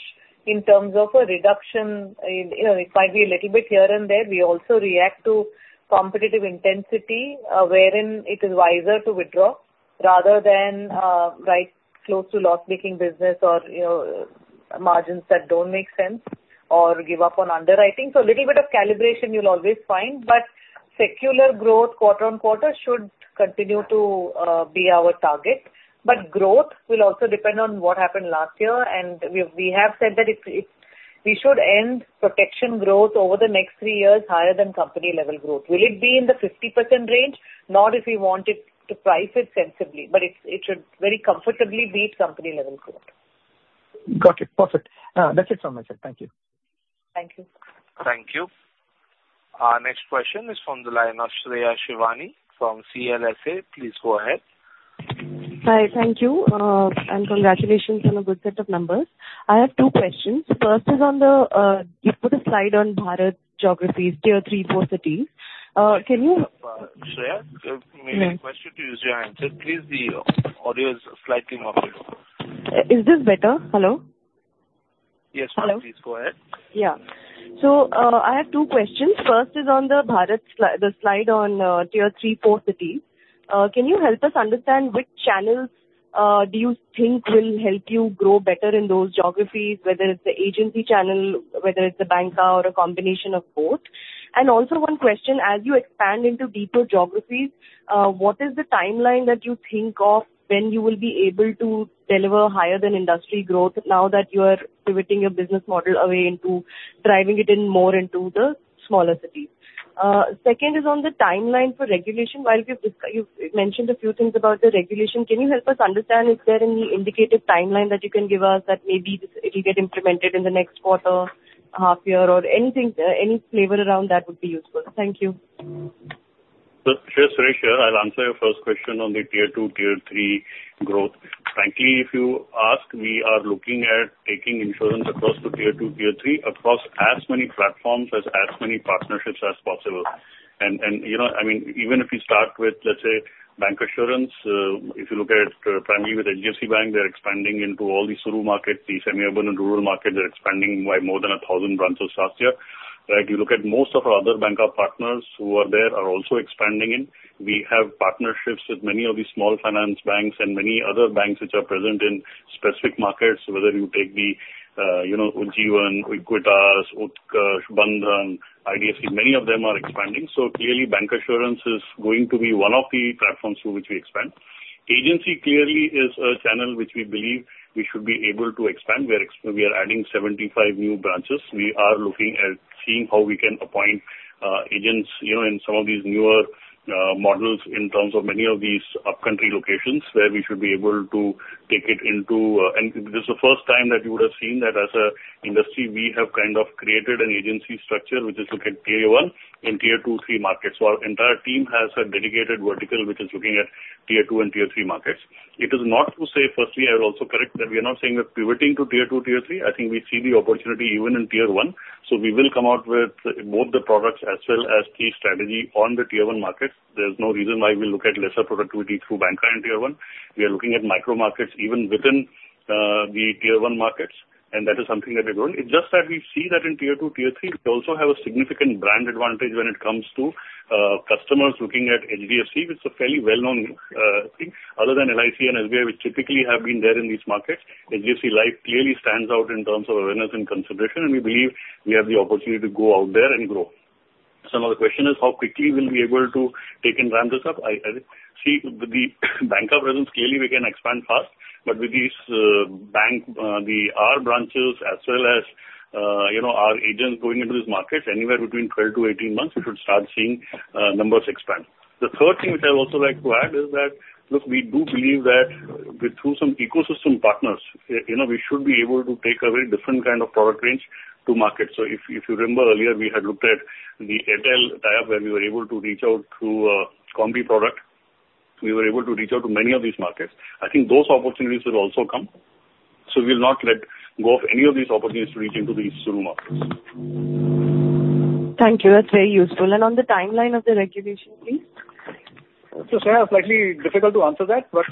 in terms of a reduction. You know, it might be a little bit here and there. We also react to competitive intensity, wherein it is wiser to withdraw rather than, drive close to loss-making business or, you know, margins that don't make sense or give up on underwriting. So a little bit of calibration you'll always find, but secular growth quarter on quarter should continue to, be our target. But growth will also depend on what happened last year, and we, we have said that if, if-- we should end protection growth over the next three years higher than company-level growth. Will it be in the 50% range? Not if we want it to price it sensibly, but it's, it should very comfortably beat company-level growth. Got it. Perfect. That's it from my side. Thank you. Thank you. Thank you. Our next question is from the line Shreya Shivani from CLSA. Please go ahead. Hi, thank you, and congratulations on a good set of numbers. I have two questions. First is on the, you put a slide on Bharat geographies, tier three, four cities. Can you- Shreya, maybe question to use your answer. Please, the audio is slightly muffled. Is this better? Hello? Yes, ma'am. Hello. Please, go ahead. Yeah. So, I have two questions. First is on the Bharat sli- the slide on, tier three, four cities. Can you help us understand which channels do you think will help you grow better in those geographies, whether it's the agency channel, whether it's the banca or a combination of both? And also one question, as you expand into deeper geographies, what is the timeline that you think of when you will be able to deliver higher than industry growth now that you are pivoting your business model away into driving it in more into the smaller cities? Second is on the timeline for regulation. While we've discussed—you've mentioned a few things about the regulation, can you help us understand, is there any indicative timeline that you can give us that maybe it'll get implemented in the next quarter, half year or anything, any flavor around that would be useful? Thank you. So Shreya, Suresh here. I'll answer your first question on the tier two, tier three growth. Frankly, if you ask, we are looking at taking insurance across to tier two, tier three, across as many platforms, as many partnerships as possible. And, you know, I mean, even if you start with, let's say, bancassurance, if you look at primarily with HDFC Bank, they're expanding into all these rural markets, the semi-urban and rural markets, they're expanding by more than 1,000 branches last year. Right, you look at most of our other banca partners who are there, are also expanding in. We have partnerships with many of these small finance banks and many other banks which are present in specific markets, whether you take the, you know, Ujjivan, Equitas, Utkarsh, Bandhan, IDFC, many of them are expanding. So clearly, bancassurance is going to be one of the platforms through which we expand. Agency clearly is a channel which we believe we should be able to expand, where we are adding 75 new branches. We are looking at seeing how we can appoint, agents, you know, in some of these newer, models in terms of many of these upcountry locations, where we should be able to take it into... This is the first time that you would have seen that as an industry, we have kind of created an agency structure which is looking at tier one and tier two, three markets. So our entire team has a dedicated vertical, which is looking at tier two and tier three markets. It is not to say, firstly, I would also correct that we are not saying we're pivoting to tier two, tier three. I think we see the opportunity even in tier one. So we will come out with both the products as well as the strategy on the tier one markets. There's no reason why we look at lesser productivity through banca in tier one. We are looking at micro markets even within, the tier one markets, and that is something that we're doing. It's just that we see that in tier two, tier three, we also have a significant brand advantage when it comes to, customers looking at HDFC, which is a fairly well-known, thing. Other than LIC and SBI, which typically have been there in these markets, HDFC Life clearly stands out in terms of awareness and consideration, and we believe we have the opportunity to go out there and grow. So now the question is, how quickly we'll be able to take and ramp this up? I see the banca presence. Clearly we can expand fast, but with these, our bank branches as well as—you know, our agents going into these markets anywhere between 12-18 months, we should start seeing numbers expand. The third thing which I would also like to add is that, look, we do believe that through some ecosystem partners, you know, we should be able to take a very different kind of product range to market. So if you remember earlier, we had looked at the Airtel tie-up, where we were able to reach out to a combi product. We were able to reach out to many of these markets. I think those opportunities will also come. So we'll not let go of any of these opportunities to reach into these new markets. Thank you. That's very useful. On the timeline of the regulation, please? So Shreya, slightly difficult to answer that, but,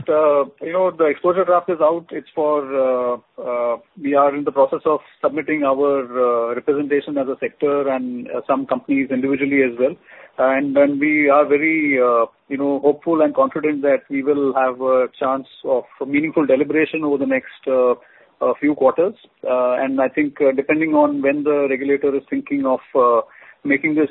you know, the exposure draft is out. It's for, we are in the process of submitting our, representation as a sector and some companies individually as well. And then we are very, you know, hopeful and confident that we will have a chance of meaningful deliberation over the next, few quarters. And I think depending on when the regulator is thinking of, making this,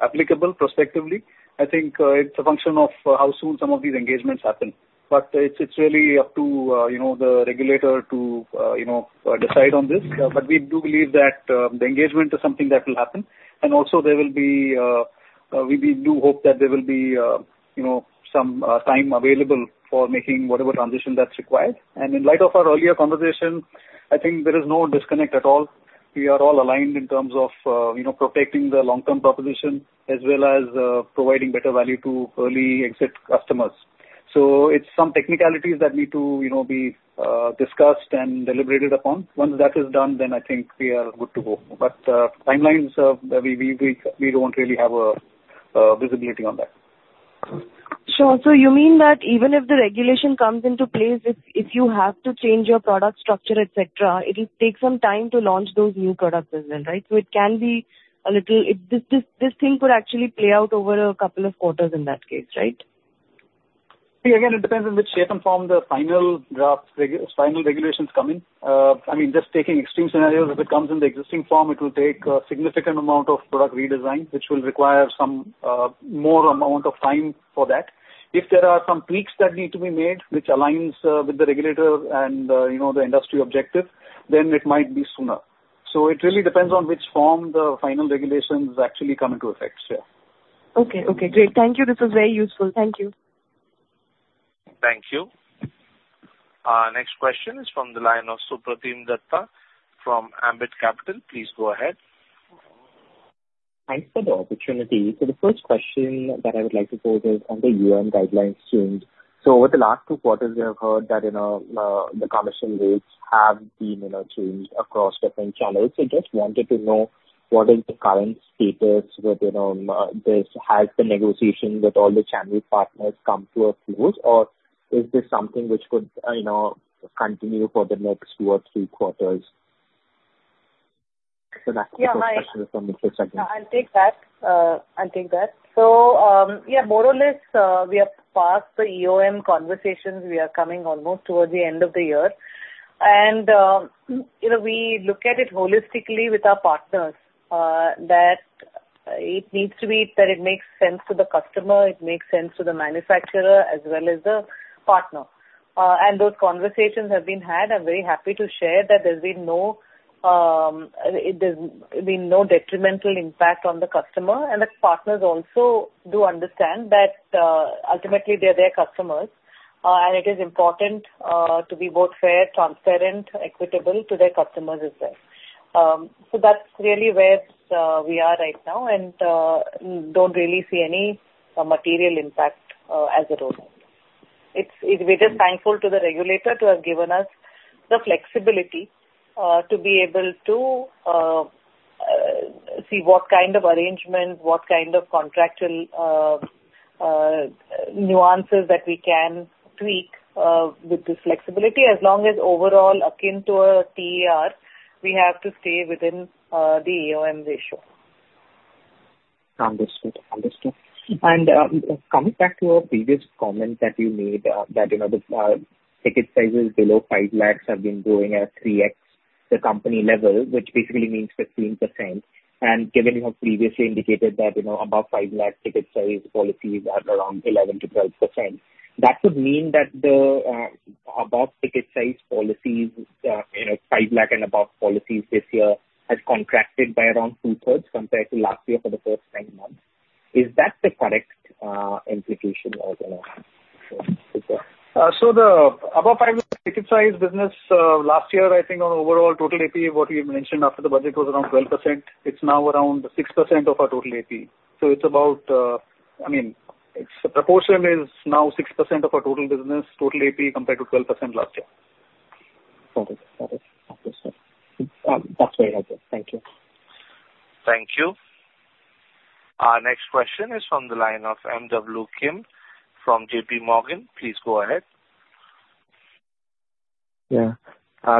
applicable prospectively, I think, it's a function of how soon some of these engagements happen. But it's, it's really up to, you know, the regulator to, you know, decide on this. But we do believe that, the engagement is something that will happen. And also there will be, we do hope that there will be, you know, some time available for making whatever transition that's required. And in light of our earlier conversation, I think there is no disconnect at all. We are all aligned in terms of, you know, protecting the long-term proposition as well as, providing better value to early exit customers. So it's some technicalities that need to, you know, be discussed and deliberated upon. Once that is done, then I think we are good to go. But, timelines, we don't really have visibility on that. Sure. So you mean that even if the regulation comes into place, if you have to change your product structure, et cetera, it will take some time to launch those new products as well, right? So it can be a little... If this thing could actually play out over a couple of quarters in that case, right? See, again, it depends on which shape and form the final draft final regulations come in. I mean, just taking extreme scenarios, if it comes in the existing form, it will take a significant amount of product redesign, which will require some more amount of time for that. If there are some tweaks that need to be made, which aligns with the regulator and, you know, the industry objective, then it might be sooner. So it really depends on which form the final regulations actually come into effect. Yeah. Okay. Okay, great. Thank you. This was very useful. Thank you. Thank you. Our next question is from the line of Supratim Datta from Ambit Capital. Please go ahead. Thanks for the opportunity. So the first question that I would like to pose is on the EOM guidelines changed. So over the last two quarters, we have heard that, you know, the commission rates have been, you know, changed across different channels. So just wanted to know, what is the current status with, you know, this? Has the negotiation with all the channel partners come to a close, or is this something which could, you know, continue for the next two or three quarters? Yeah, I- That's the first question from me for second. I'll take that. I'll take that. So, yeah, more or less, we are past the EOM conversations. We are coming almost towards the end of the year. And, you know, we look at it holistically with our partners, that it needs to be that it makes sense to the customer, it makes sense to the manufacturer as well as the partner. And those conversations have been had. I'm very happy to share that there's been no, there's been no detrimental impact on the customer, and the partners also do understand that, ultimately they're their customers, and it is important to be both fair, transparent, equitable to their customers as well. So that's really where we are right now, and, don't really see any material impact, as it rolls out. We're just thankful to the regulator to have given us the flexibility, to be able to see what kind of arrangement, what kind of contractual nuances that we can tweak, with this flexibility, as long as overall, akin to a TER, we have to stay within the EOM ratio. Understood. Understood. And, coming back to a previous comment that you made, that, you know, the ticket sizes below 5 lakh have been growing at 3x the company level, which basically means 15%. And given you have previously indicated that, you know, above 5 lakh ticket size policies are around 11%-12%, that would mean that the above ticket size policies, you know, 5 lakh and above policies this year has contracted by around two-thirds compared to last year for the first 9 months. Is that the correct implication or, you know? So the above five ticket size business, last year, I think our overall total AP, what we mentioned after the budget was around 12%. It's now around 6% of our total AP. So it's about, I mean, its proportion is now 6% of our total business, total AP, compared to 12% last year. Got it. Got it. Okay, sir. That's very helpful. Thank you. Thank you. Our next question is from the line of M.W. Kim from JPMorgan. Please go ahead. Yeah.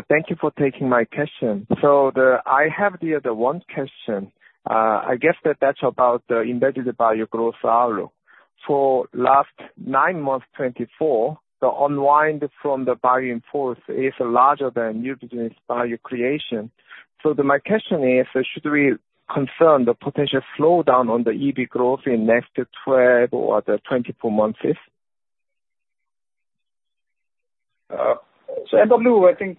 Thank you for taking my question. So, I have one question. I guess that's about the embedded value growth outlook. For last 9 months, 2024, the unwind from the value in force is larger than new business value creation. So then my question is, should we concern the potential slowdown on the EV growth in next 12 or the 24 months?... So MW, I think,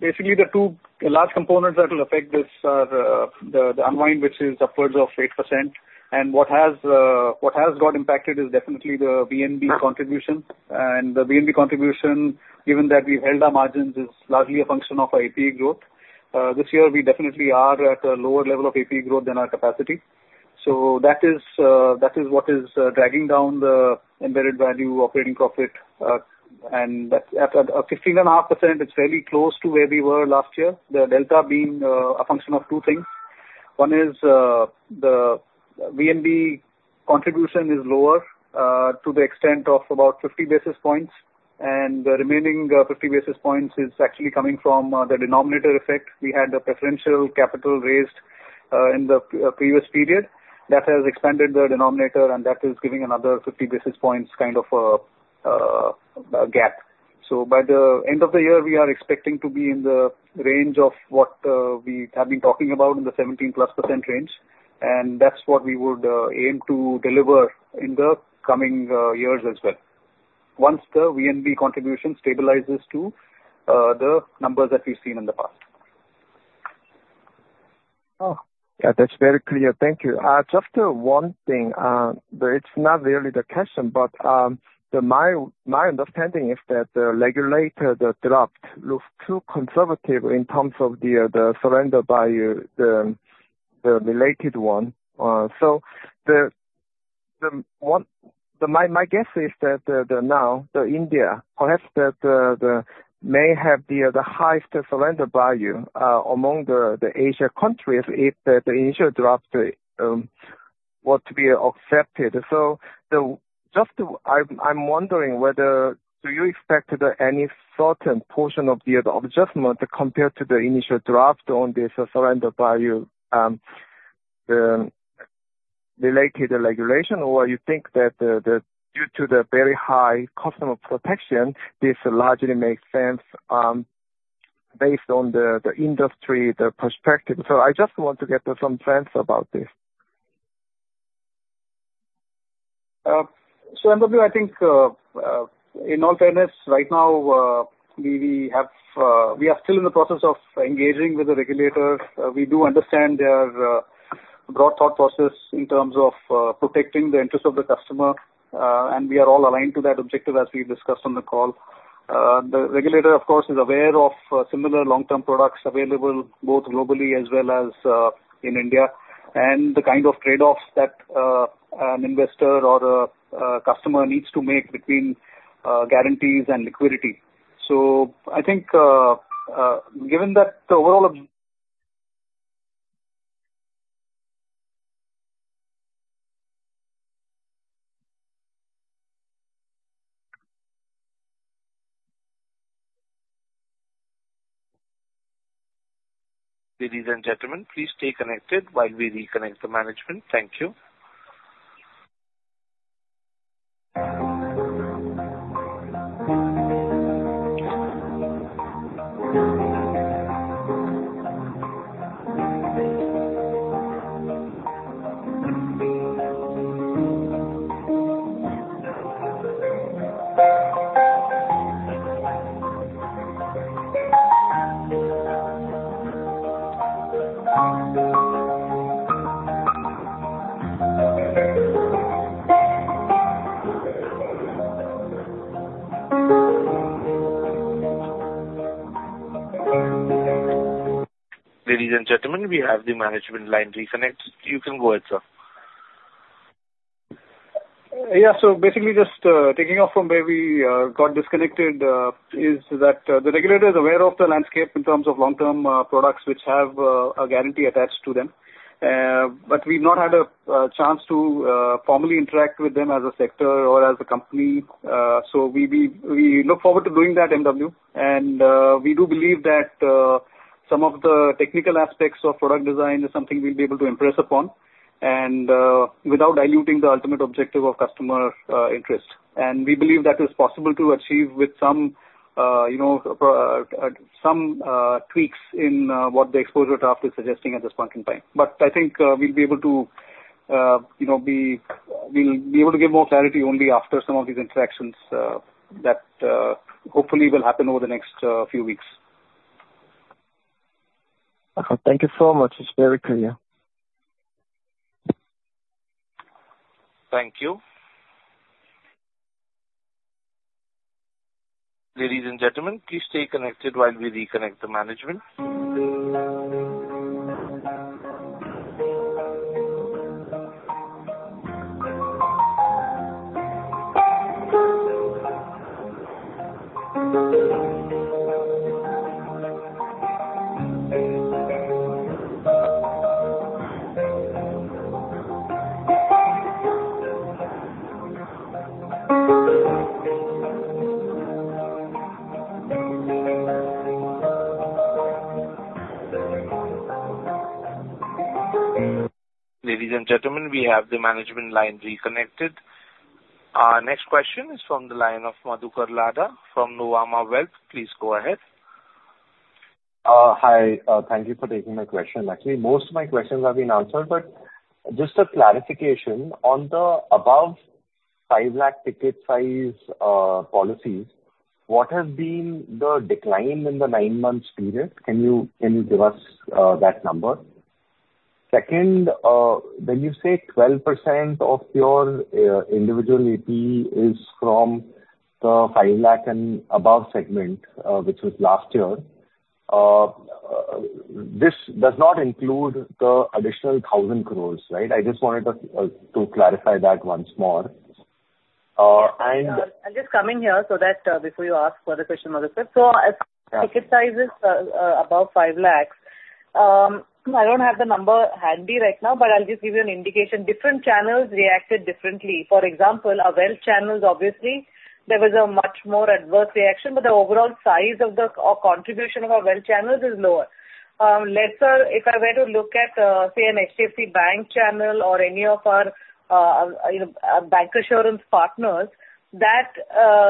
basically the two large components that will affect this are the unwind, which is upwards of 8%. And what has got impacted is definitely the VNB contribution. And the VNB contribution, given that we've held our margins, is largely a function of APE growth. This year, we definitely are at a lower level of APE growth than our capacity. So that is what is dragging down the embedded value operating profit. And at 15.5%, it's fairly close to where we were last year. The delta being a function of two things. One is the VNB contribution is lower to the extent of about 50 basis points, and the remaining 50 basis points is actually coming from the denominator effect. We had a preferential capital raised in the pre-previous period. That has expanded the denominator, and that is giving another 50 basis points kind of gap. So by the end of the year, we are expecting to be in the range of what we have been talking about in the 17%+ range, and that's what we would aim to deliver in the coming years as well. Once the VNB contribution stabilizes to the numbers that we've seen in the past. Oh, yeah, that's very clear. Thank you. Just one thing, but it's not really the question, but, the -- my, my understanding is that the regulator, the draft, looks too conservative in terms of the, the surrender by the, the related one. So the, the one... My, my guess is that the, now, the India, perhaps the, the, may have the, the highest surrender value, among the, the Asia countries if the, the initial draft, were to be accepted. So just to... I'm, I'm wondering whether, do you expect any certain portion of the, of adjustment compared to the initial draft on this surrender value, the related regulation? Or you think that the, the, due to the very high customer protection, this largely makes sense, based on the, the industry, the perspective. I just want to get some sense about this. So MW, I think, in all fairness, right now, we have, we are still in the process of engaging with the regulators. We do understand their broad thought process in terms of protecting the interest of the customer, and we are all aligned to that objective, as we discussed on the call. The regulator, of course, is aware of similar long-term products available both globally as well as in India, and the kind of trade-offs that an investor or a customer needs to make between guarantees and liquidity. So I think, given that the overall of- Ladies and gentlemen, please stay connected while we reconnect the management. Thank you. Ladies and gentlemen, we have the management line reconnected. You can go ahead, sir. Yeah. So basically, just, taking off from where we got disconnected, is that the regulator is aware of the landscape in terms of long-term products, which have a guarantee attached to them. But we've not had a chance to formally interact with them as a sector or as a company. So we look forward to doing that, MW, and we do believe that some of the technical aspects of product design is something we'll be able to impress upon and without diluting the ultimate objective of customer interest. And we believe that is possible to achieve with some, you know, some tweaks in what the exposure draft is suggesting at this point in time. But I think we'll be able to, you know, we'll be able to give more clarity only after some of these interactions that hopefully will happen over the next few weeks. Thank you so much. It's very clear. Thank you. Ladies and gentlemen, please stay connected while we reconnect the management. Ladies and gentlemen, we have the management line reconnected. Our next question is from the line of Madhukar Ladha from Nuvama Wealth. Please go ahead.... Hi, thank you for taking my question. Actually, most of my questions have been answered, but just a clarification. On the above 5 lakh ticket size policies, what has been the decline in the 9 months period? Can you give us that number? Second, when you say 12% of your individual AP is from the 5 lakh and above segment, which was last year, this does not include the additional 1,000 crore, right? I just wanted to clarify that once more. And- I'm just coming here so that before you ask for the question on the fifth. So as- Yeah. Ticket sizes above 5 lakhs, I don't have the number handy right now, but I'll just give you an indication. Different channels reacted differently. For example, our wealth channels, obviously, there was a much more adverse reaction, but the overall size of the, or contribution of our wealth channels is lower. Lesser, if I were to look at, say, an HDFC Bank channel or any of our, you know, bank insurance partners, that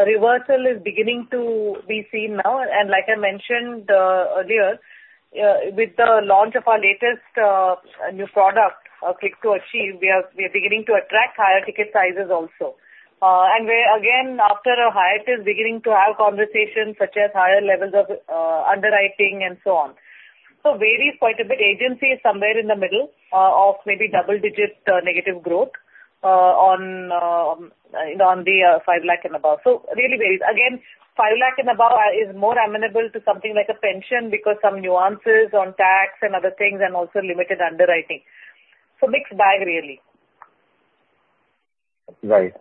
reversal is beginning to be seen now. And like I mentioned earlier, with the launch of our latest new product, Click 2 Achieve, we are, we are beginning to attract higher ticket sizes also. And we're again, after a hiatus, beginning to have conversations such as higher levels of underwriting and so on. So varies quite a bit. Agency is somewhere in the middle of maybe double-digit negative growth on the 5 lakh and above. So really varies. Again, 5 lakh and above is more amenable to something like a pension, because some nuances on tax and other things and also limited underwriting. So mixed bag, really. Right.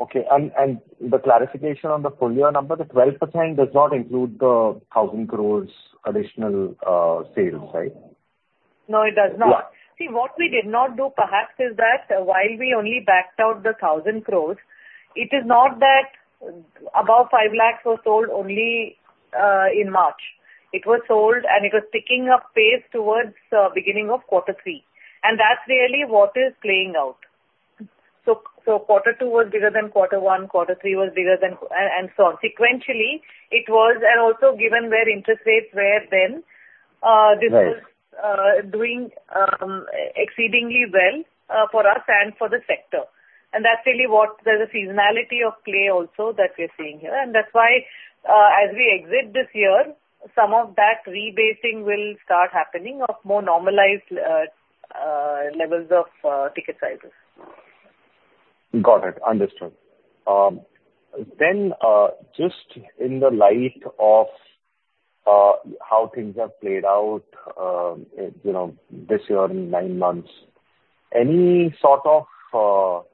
Okay, and, and the clarification on the full year number, the 12% does not include the 1,000 crore additional sales, right? No, it does not. Yeah. See, what we did not do, perhaps, is that while we only backed out 1,000 crore, it is not that above 5 lakh was sold only in March. It was sold, and it was picking up pace towards the beginning of quarter three, and that's really what is playing out. So, so quarter two was bigger than quarter one, quarter three was bigger than... and so on. Sequentially, it was, and also given where interest rates were then. Right. This was doing exceedingly well for us and for the sector. That's really what there's a seasonality of play also that we're seeing here. That's why, as we exit this year, some of that rebasing will start happening of more normalized levels of ticket sizes. Got it. Understood. Then, just in the light of how things have played out, you know, this year, in nine months, any sort of...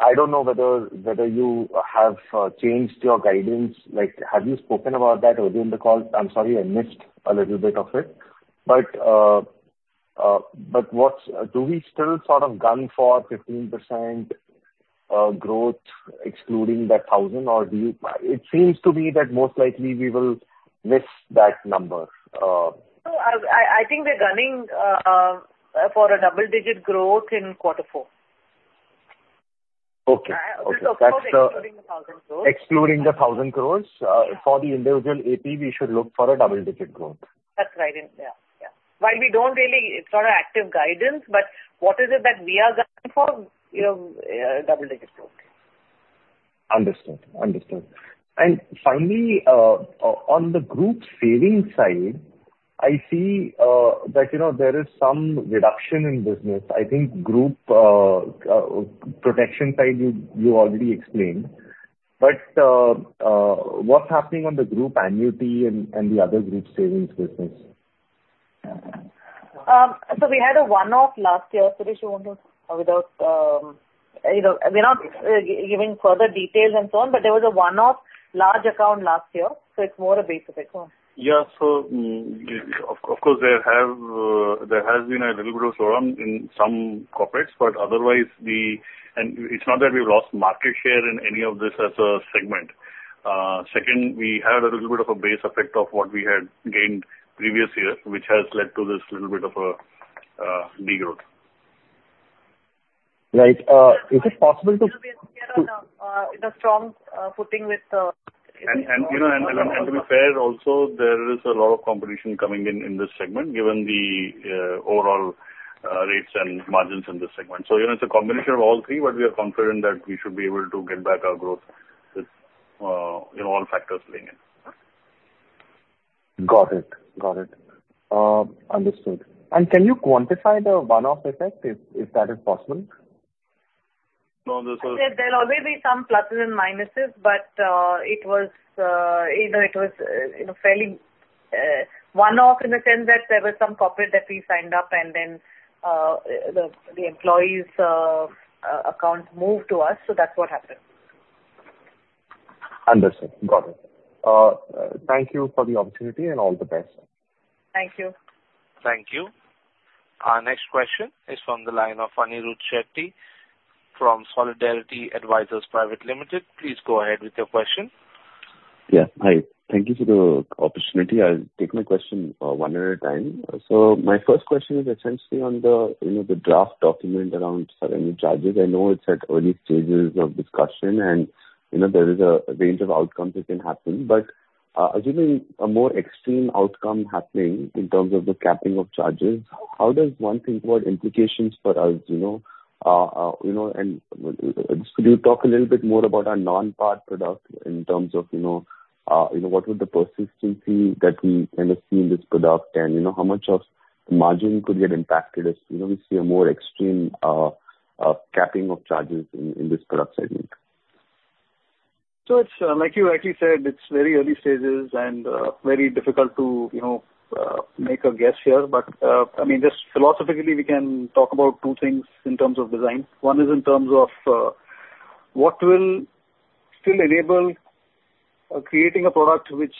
I don't know whether you have changed your guidance. Like, have you spoken about that earlier in the call? I'm sorry I missed a little bit of it, but, but what's-- Do we still sort of gun for 15% growth excluding the thousand, or do you... It seems to me that most likely we will miss that number. No, I think we're gunning for a double-digit growth in quarter four. Okay. Okay, that's the- Excluding the 1,000 crore. Excluding 1,000 crore. Yeah. For the individual AP, we should look for a double-digit growth. That's right. Yeah. Yeah. While we don't really... It's not our active guidance, but what is it that we are gunning for? You know, double-digit growth. Understood. Understood. And finally, on the group savings side, I see that, you know, there is some reduction in business. I think group protection side, you already explained, but what's happening on the group annuity and the other group savings business? So we had a one-off last year. Suresh, you want to... Without, you know, we're not giving further details and so on, but there was a one-off large account last year, so it's more a base effect. Yeah. So, of course, there has been a little bit of slowdown in some corporates, but otherwise we... And it's not that we've lost market share in any of this as a segment. Second, we had a little bit of a base effect of what we had gained previous year, which has led to this little bit of a degrowth. Right. Is it possible to- We are in a strong footing with- And you know, to be fair also, there is a lot of competition coming in in this segment, given the overall rates and margins in this segment. So, you know, it's a combination of all three, but we are confident that we should be able to get back our growth with you know all factors playing in. Got it. Got it. Understood. And can you quantify the one-off effect, if, if that is possible? No, this is- There'll always be some pluses and minuses, but, you know, it was, you know, fairly one-off in the sense that there was some corporate that we signed up and then, the employees' account moved to us. So that's what happened. Understood. Got it. Thank you for the opportunity, and all the best. Thank you. Thank you. Our next question is from the line of Anirudh Shetty from Solidarity Advisors Private Limited. Please go ahead with your question. Yeah. Hi. Thank you for the opportunity. I'll take my question one at a time. So my first question is essentially on the, you know, the draft document around surrender charges. I know it's at early stages of discussion, and, you know, there is a range of outcomes that can happen, but assuming a more extreme outcome happening in terms of the capping of charges, how does one think what implications for us, you know? You know, and could you talk a little bit more about our non-par product in terms of, you know, what would the persistency that we kind of see in this product and, you know, how much of the margin could get impacted as, you know, we see a more extreme capping of charges in this product segment? So it's, like you actually said, it's very early stages and, very difficult to, you know, make a guess here. But, I mean, just philosophically, we can talk about two things in terms of design. One is in terms of, what will still enable, creating a product which,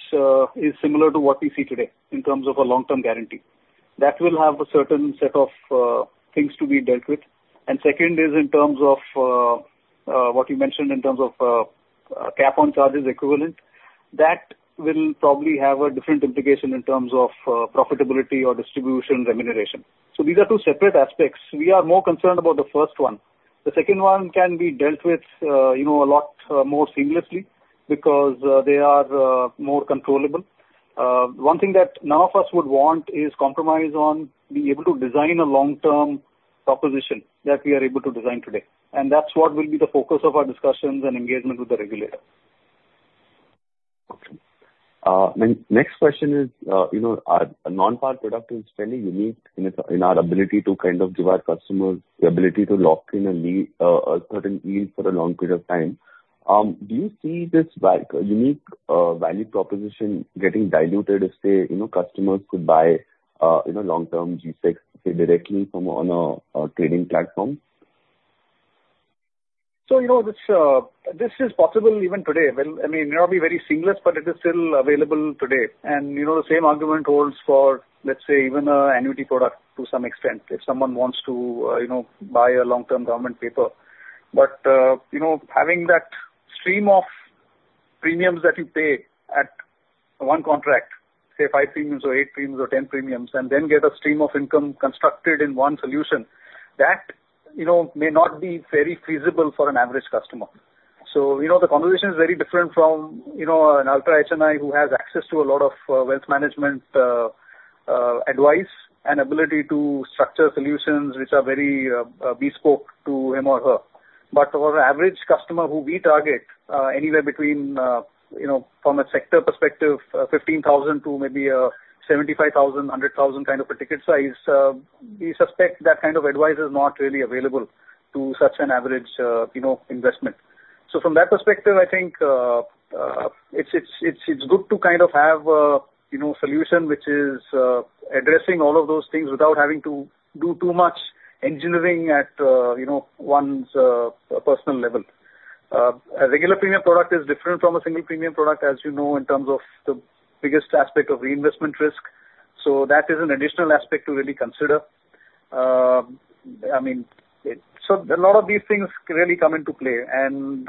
is similar to what we see today in terms of a long-term guarantee. That will have a certain set of, things to be dealt with. And second is in terms of, what you mentioned in terms of, cap on charges equivalent. That will probably have a different implication in terms of, profitability or distribution remuneration. So these are two separate aspects. We are more concerned about the first one. The second one can be dealt with, you know, a lot more seamlessly because they are more controllable. One thing that none of us would want is compromise on being able to design a long-term proposition that we are able to design today, and that's what will be the focus of our discussions and engagement with the regulator. Okay. Then next question is, you know, our non-par product is fairly unique in its ability to kind of give our customers the ability to lock in a yield, a certain yield for a long period of time. Do you see this unique value proposition getting diluted if, say, you know, customers could buy, you know, long-term G-sec, say, directly from on a trading platform? So, you know, this, this is possible even today. Well, I mean, it may not be very seamless, but it is still available today. And, you know, the same argument holds for, let's say, even an annuity product to some extent, if someone wants to, you know, buy a long-term government paper. But, you know, having that stream of premiums that you pay at one contract, say, 5 premiums or 8 premiums or 10 premiums, and then get a stream of income constructed in one solution that, you know, may not be very feasible for an average customer. So, you know, the conversation is very different from, you know, an ultra HNI who has access to a lot of, wealth management, advice and ability to structure solutions which are very, bespoke to him or her. But for our average customer who we target, anywhere between, you know, from a sector perspective, 15,000 to maybe 75,000, 100,000 kind of a ticket size, we suspect that kind of advice is not really available to such an average, you know, investment. So from that perspective, I think, it's good to kind of have, you know, solution, which is addressing all of those things without having to do too much engineering at, you know, one's personal level. A regular premium product is different from a single premium product, as you know, in terms of the biggest aspect of reinvestment risk. So that is an additional aspect to really consider. I mean, so a lot of these things really come into play, and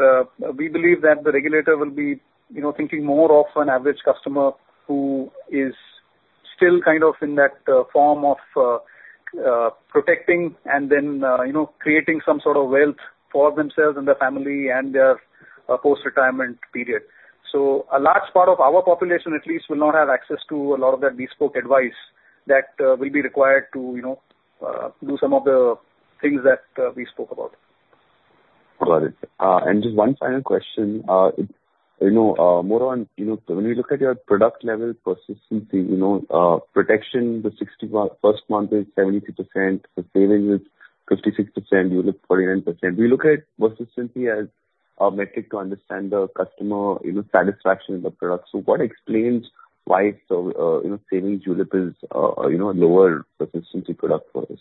we believe that the regulator will be, you know, thinking more of an average customer who is still kind of in that form of protecting and then, you know, creating some sort of wealth for themselves and their family and their post-retirement period. So a large part of our population at least will not have access to a lot of that bespoke advice that will be required to, you know, do some of the things that we spoke about. Got it. And just one final question. You know, more on, you know, when we look at your product level persistency, you know, protection, the 13th month is 72%, for savings it's 56%, ULIP 49%. We look at persistency as a metric to understand the customer, you know, satisfaction in the product. So what explains why it's so, you know, savings ULIP is, you know, lower persistency product for us?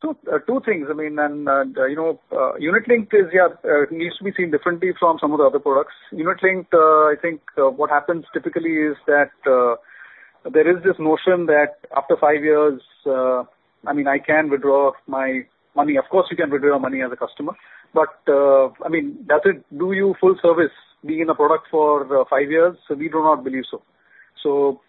Two, two things. I mean, and, and, you know, unit link is, yeah, needs to be seen differently from some of the other products. Unit link, I think, what happens typically is that, there is this notion that after five years, I mean, I can withdraw my money. Of course, you can withdraw money as a customer, but, I mean, does it do you full service being a product for, five years? We do not believe so. So,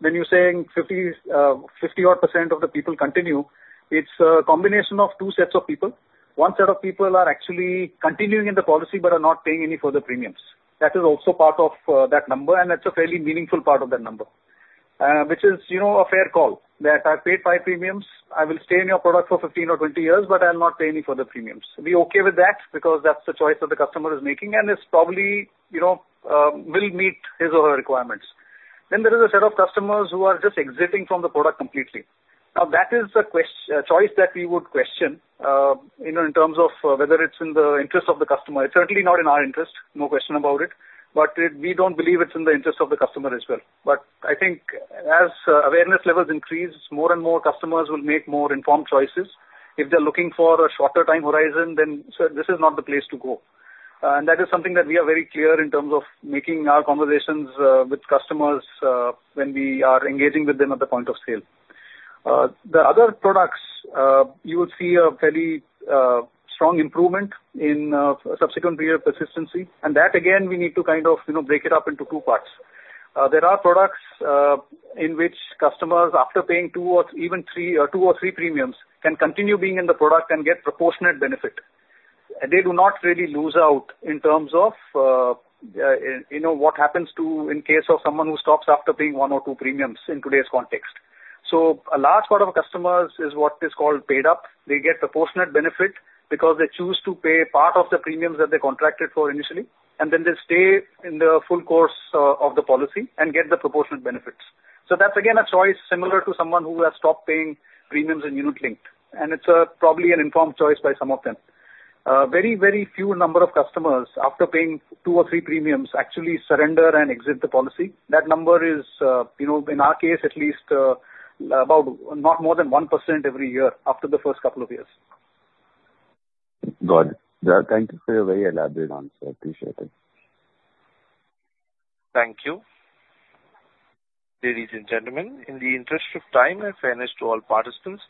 when you're saying 50, 50-odd% of the people continue, it's a combination of two sets of people. One set of people are actually continuing in the policy but are not paying any further premiums. That is also part of that number, and that's a fairly meaningful part of that number, which is, you know, a fair call that I paid 5 premiums, I will stay in your product for 15 or 20 years, but I will not pay any further premiums. We're okay with that because that's the choice that the customer is making, and it's probably, you know, will meet his or her requirements. Then there is a set of customers who are just exiting from the product completely. Now, that is the choice that we would question, you know, in terms of whether it's in the interest of the customer. It's certainly not in our interest, no question about it, but we don't believe it's in the interest of the customer as well. But I think as awareness levels increase, more and more customers will make more informed choices. If they're looking for a shorter time horizon, then so this is not the place to go. And that is something that we are very clear in terms of making our conversations with customers when we are engaging with them at the point of sale. The other products, you will see a fairly strong improvement in subsequent period persistency. And that, again, we need to kind of, you know, break it up into two parts. There are products in which customers, after paying 2 or even 3, or 2 or 3 premiums, can continue being in the product and get proportionate benefit. They do not really lose out in terms of, you know, what happens to in case of someone who stops after paying 1 or 2 premiums in today's context. So a large part of our customers is what is called paid-up. They get proportionate benefit because they choose to pay part of the premiums that they contracted for initially, and then they stay in the full course of the policy and get the proportionate benefits. So that's again a choice similar to someone who has stopped paying premiums in unit-linked, and it's probably an informed choice by some of them. Very, very few number of customers, after paying two or three premiums, actually surrender and exit the policy. That number is, you know, in our case, at least, about not more than 1% every year after the first couple of years. Got it. Thank you for a very elaborate answer. I appreciate it. Thank you. Ladies and gentlemen, in the interest of time and fairness to all participants,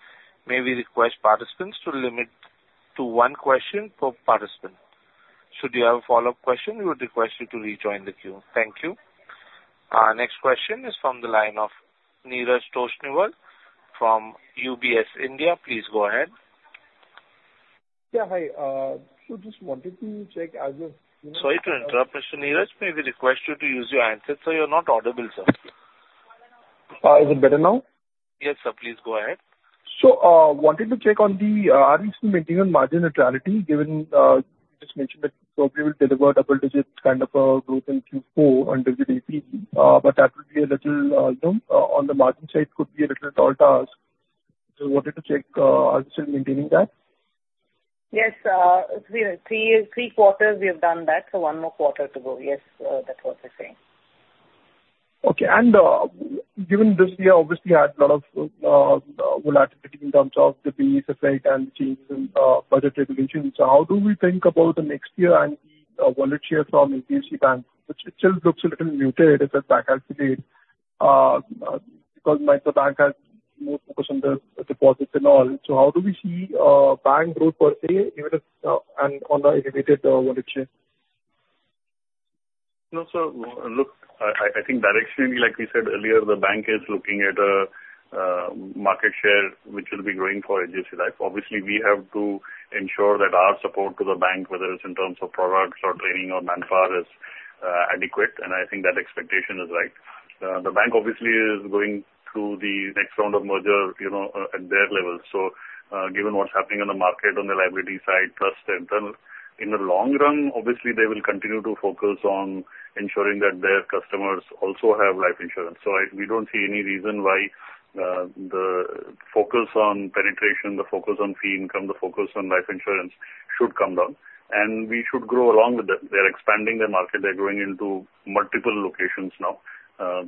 may we request participants to limit to one question per participant. Should you have a follow-up question, we would request you to rejoin the queue. Thank you. Our next question is from the line of Neeraj Toshniwal from UBS India. Please go ahead. Yeah, hi. So just wanted to check as a- Sorry to interrupt, Mr. Neeraj. May we request you to use your handset, sir, you're not audible, sir. Is it better now? Yes, sir. Please go ahead. So, wanted to check on the, are you still maintaining margin neutrality, given you just mentioned that probably will deliver double-digit kind of growth in Q4 under the APE, but that would be a little, you know, on the margin side could be a little tautness. So wanted to check, are you still maintaining that? Yes, we are. 3, 3 quarters we have done that, so 1 more quarter to go. Yes, that's what we're saying. Okay. And, given this year, obviously had a lot of volatility in terms of the base effect and changes in budget regulations, how do we think about the next year and the wallet share from HDFC Bank, which it still looks a little muted as the bank has been because the bank has more focus on the deposits and all. So how do we see bank growth per se, even if and on the elevated wallet share? No, so look, I think directionally, like we said earlier, the bank is looking at a market share, which will be growing for HDFC Life. Obviously, we have to ensure that our support to the bank, whether it's in terms of products or training or manpower, is adequate, and I think that expectation is right. The bank obviously is going through the next round of merger, you know, at their level. So, given what's happening in the market on the liability side, trust internal, in the long run, obviously, they will continue to focus on ensuring that their customers also have life insurance. So we don't see any reason why the focus on penetration, the focus on fee income, the focus on life insurance should come down, and we should grow along with them. They're expanding their market. They're growing into multiple locations now.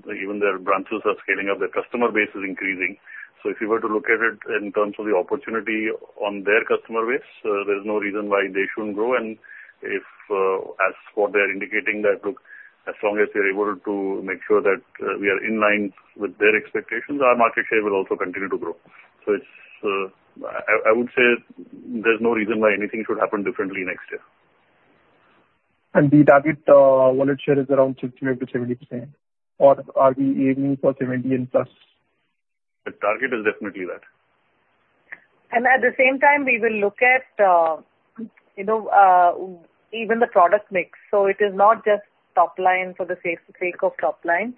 Even their branches are scaling up, their customer base is increasing. So if you were to look at it in terms of the opportunity on their customer base, there's no reason why they shouldn't grow. And if, as for they're indicating that, look, as long as we are able to make sure that, we are in line with their expectations, our market share will also continue to grow. So it's, I would say there's no reason why anything should happen differently next year. The target wallet share is around 65%-70%, or are we aiming for 70%+? The target is definitely that. At the same time, we will look at, you know, even the product mix. It is not just top line for the sake, sake of top line.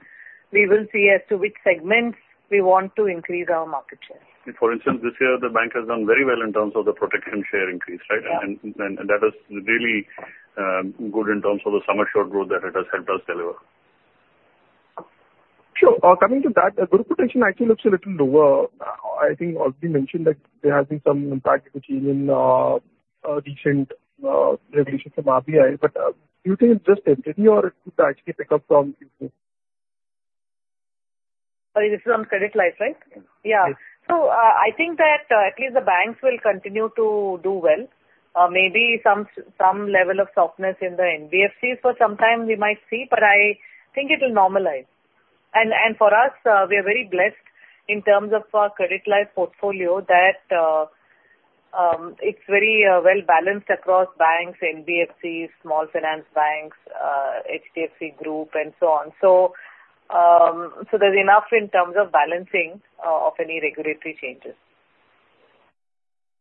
We will see as to which segments we want to increase our market share. For instance, this year, the bank has done very well in terms of the protection share increase, right? Yeah. That is really good in terms of the sum assured growth that it has helped us deliver. Sure. Coming to that, group protection actually looks a little lower. I think also you mentioned that there has been some impact, which in recent regulations from RBI, but do you think it's just temporary or it could actually pick up from here? Sorry, this is on Credit Life, right? Yeah. Yeah. So, I think that, at least the banks will continue to do well. Maybe some level of softness in the NBFCs for some time we might see, but I think it will normalize. And for us, we are very blessed in terms of our credit life portfolio that, it's very well-balanced across banks, NBFCs, small finance banks, HDFC Group and so on. So, so there's enough in terms of balancing of any regulatory changes.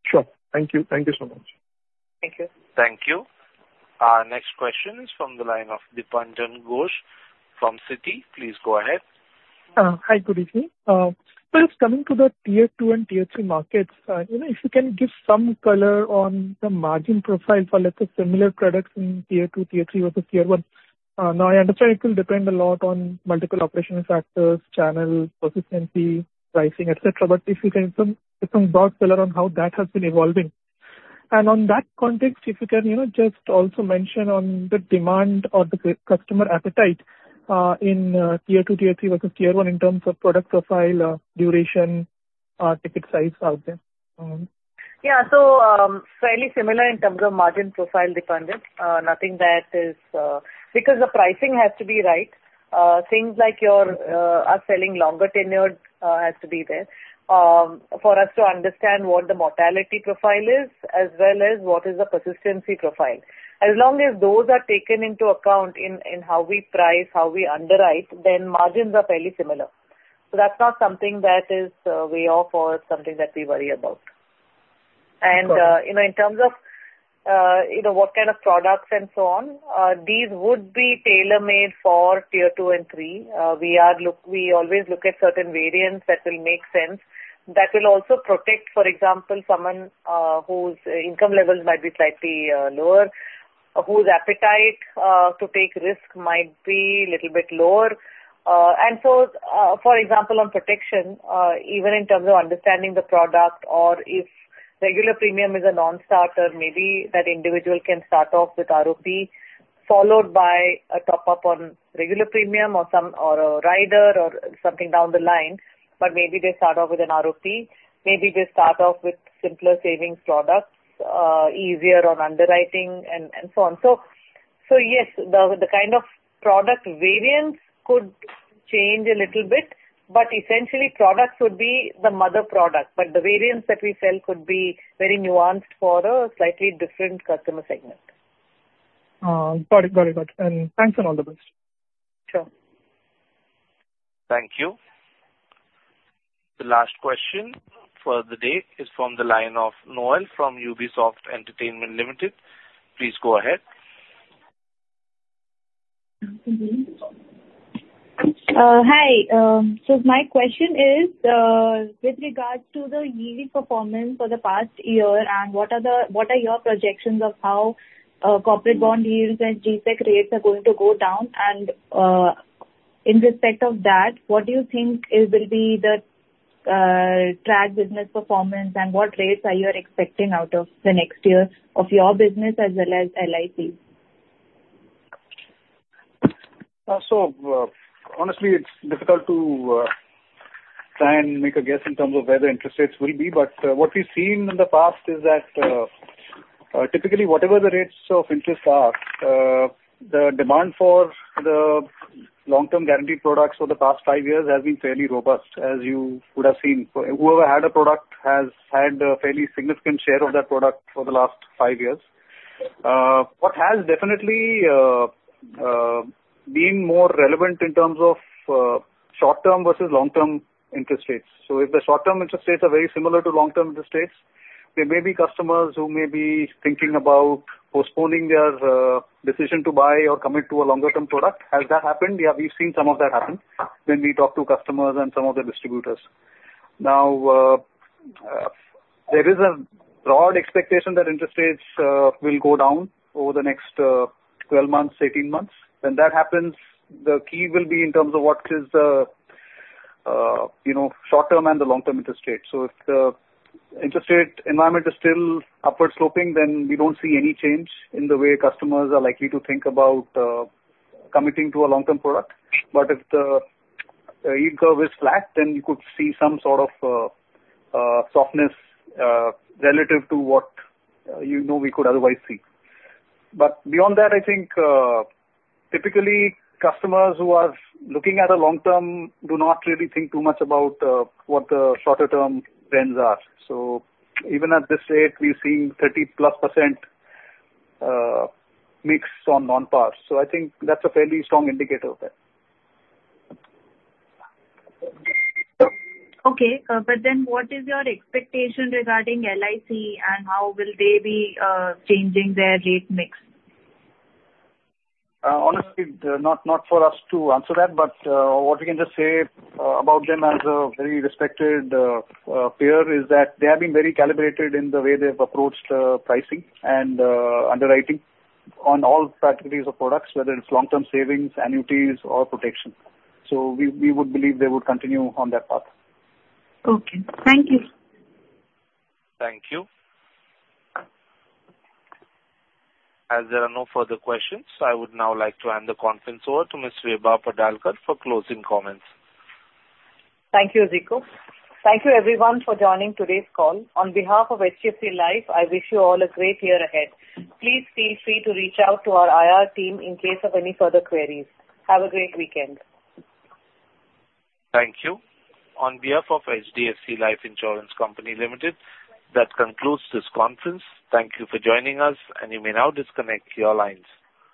Sure. Thank you. Thank you so much. Thank you. Thank you. Our next question is from the line of Dipanjan Ghosh from Citi. Please go ahead. Hi, good evening. So just coming to the Tier 2 and Tier 3 markets, you know, if you can give some color on the margin profile for, let's say, similar products in Tier 2, Tier 3 versus Tier 1. Now, I understand it will depend a lot on multiple operational factors, channels, persistency, pricing, et cetera, but if you can give some, give some broad color on how that has been evolving. And on that context, if you can, you know, just also mention on the demand or the customer appetite, in Tier 2, Tier 3 versus Tier 1 in terms of product profile, duration, ticket size out there. Yeah. So, fairly similar in terms of margin profile, Dipanjan. Nothing that is... Because the pricing has to be right, things like your, us selling longer tenured, has to be there, for us to understand what the mortality profile is, as well as what is the persistency profile. As long as those are taken into account in, in how we price, how we underwrite, then margins are fairly similar. So that's not something that is way off or something that we worry about. And, you know, in terms of, you know, what kind of products and so on, these would be tailor-made for tier two and three. We always look at certain variants that will make sense, that will also protect, for example, someone whose income levels might be slightly lower, or whose appetite to take risk might be a little bit lower. And so, for example, on protection, even in terms of understanding the product or if regular premium is a non-starter, maybe that individual can start off with ROP, followed by a top-up on regular premium or a rider or something down the line, but maybe they start off with an ROP, maybe they start off with simpler savings products, easier on underwriting and so on. So yes, the kind of product variants could change a little bit, but essentially products would be the mother product, but the variants that we sell could be very nuanced for a slightly different customer segment. Got it. Got it, got it. And thanks, and all the best. Sure. Thank you. The last question for the day is from the line Noel from Ubisoft Entertainment Limited. Please go ahead. Hi. So my question is, with regards to the yearly performance for the past year and what are your projections of how corporate bond yields and G-SEC rates are going to go down? And, in respect of that, what do you think will be the track business performance, and what rates are you expecting out of the next year of your business as well as LIC? So, honestly, it's difficult to try and make a guess in terms of where the interest rates will be, but what we've seen in the past is that typically, whatever the rates of interest are, the demand for the long-term guaranteed products for the past five years has been fairly robust, as you would have seen. Whoever had a product has had a fairly significant share of that product for the last five years. What has definitely been more relevant in terms of short-term versus long-term interest rates. So if the short-term interest rates are very similar to long-term interest rates, there may be customers who may be thinking about postponing their decision to buy or commit to a longer-term product. Has that happened? Yeah, we've seen some of that happen when we talk to customers and some of the distributors. Now, there is a broad expectation that interest rates will go down over the next 12 months, 18 months. When that happens, the key will be in terms of what is the, you know, short-term and the long-term interest rate. So if the interest rate environment is still upward sloping, then we don't see any change in the way customers are likely to think about committing to a long-term product. But if the yield curve is flat, then you could see some sort of softness relative to what, you know, we could otherwise see. But beyond that, I think, typically, customers who are looking at a long term do not really think too much about what the shorter-term trends are. So even at this rate, we're seeing 30+% mix on non-par. So I think that's a fairly strong indicator of that. Okay, but then what is your expectation regarding LIC and how will they be changing their rate mix? Honestly, not for us to answer that, but what we can just say about them as a very respected peer is that they have been very calibrated in the way they've approached pricing and underwriting on all categories of products, whether it's long-term savings, annuities, or protection. So we would believe they would continue on that path. Okay. Thank you. Thank you. As there are no further questions, I would now like to hand the conference over to Ms. Vibha Padalkar for closing comments. Thank you, Zico. Thank you, everyone, for joining today's call. On behalf of HDFC Life, I wish you all a great year ahead. Please feel free to reach out to our IR team in case of any further queries. Have a great weekend. Thank you. On behalf of HDFC Life Insurance Company Limited, that concludes this conference. Thank you for joining us, and you may now disconnect your lines.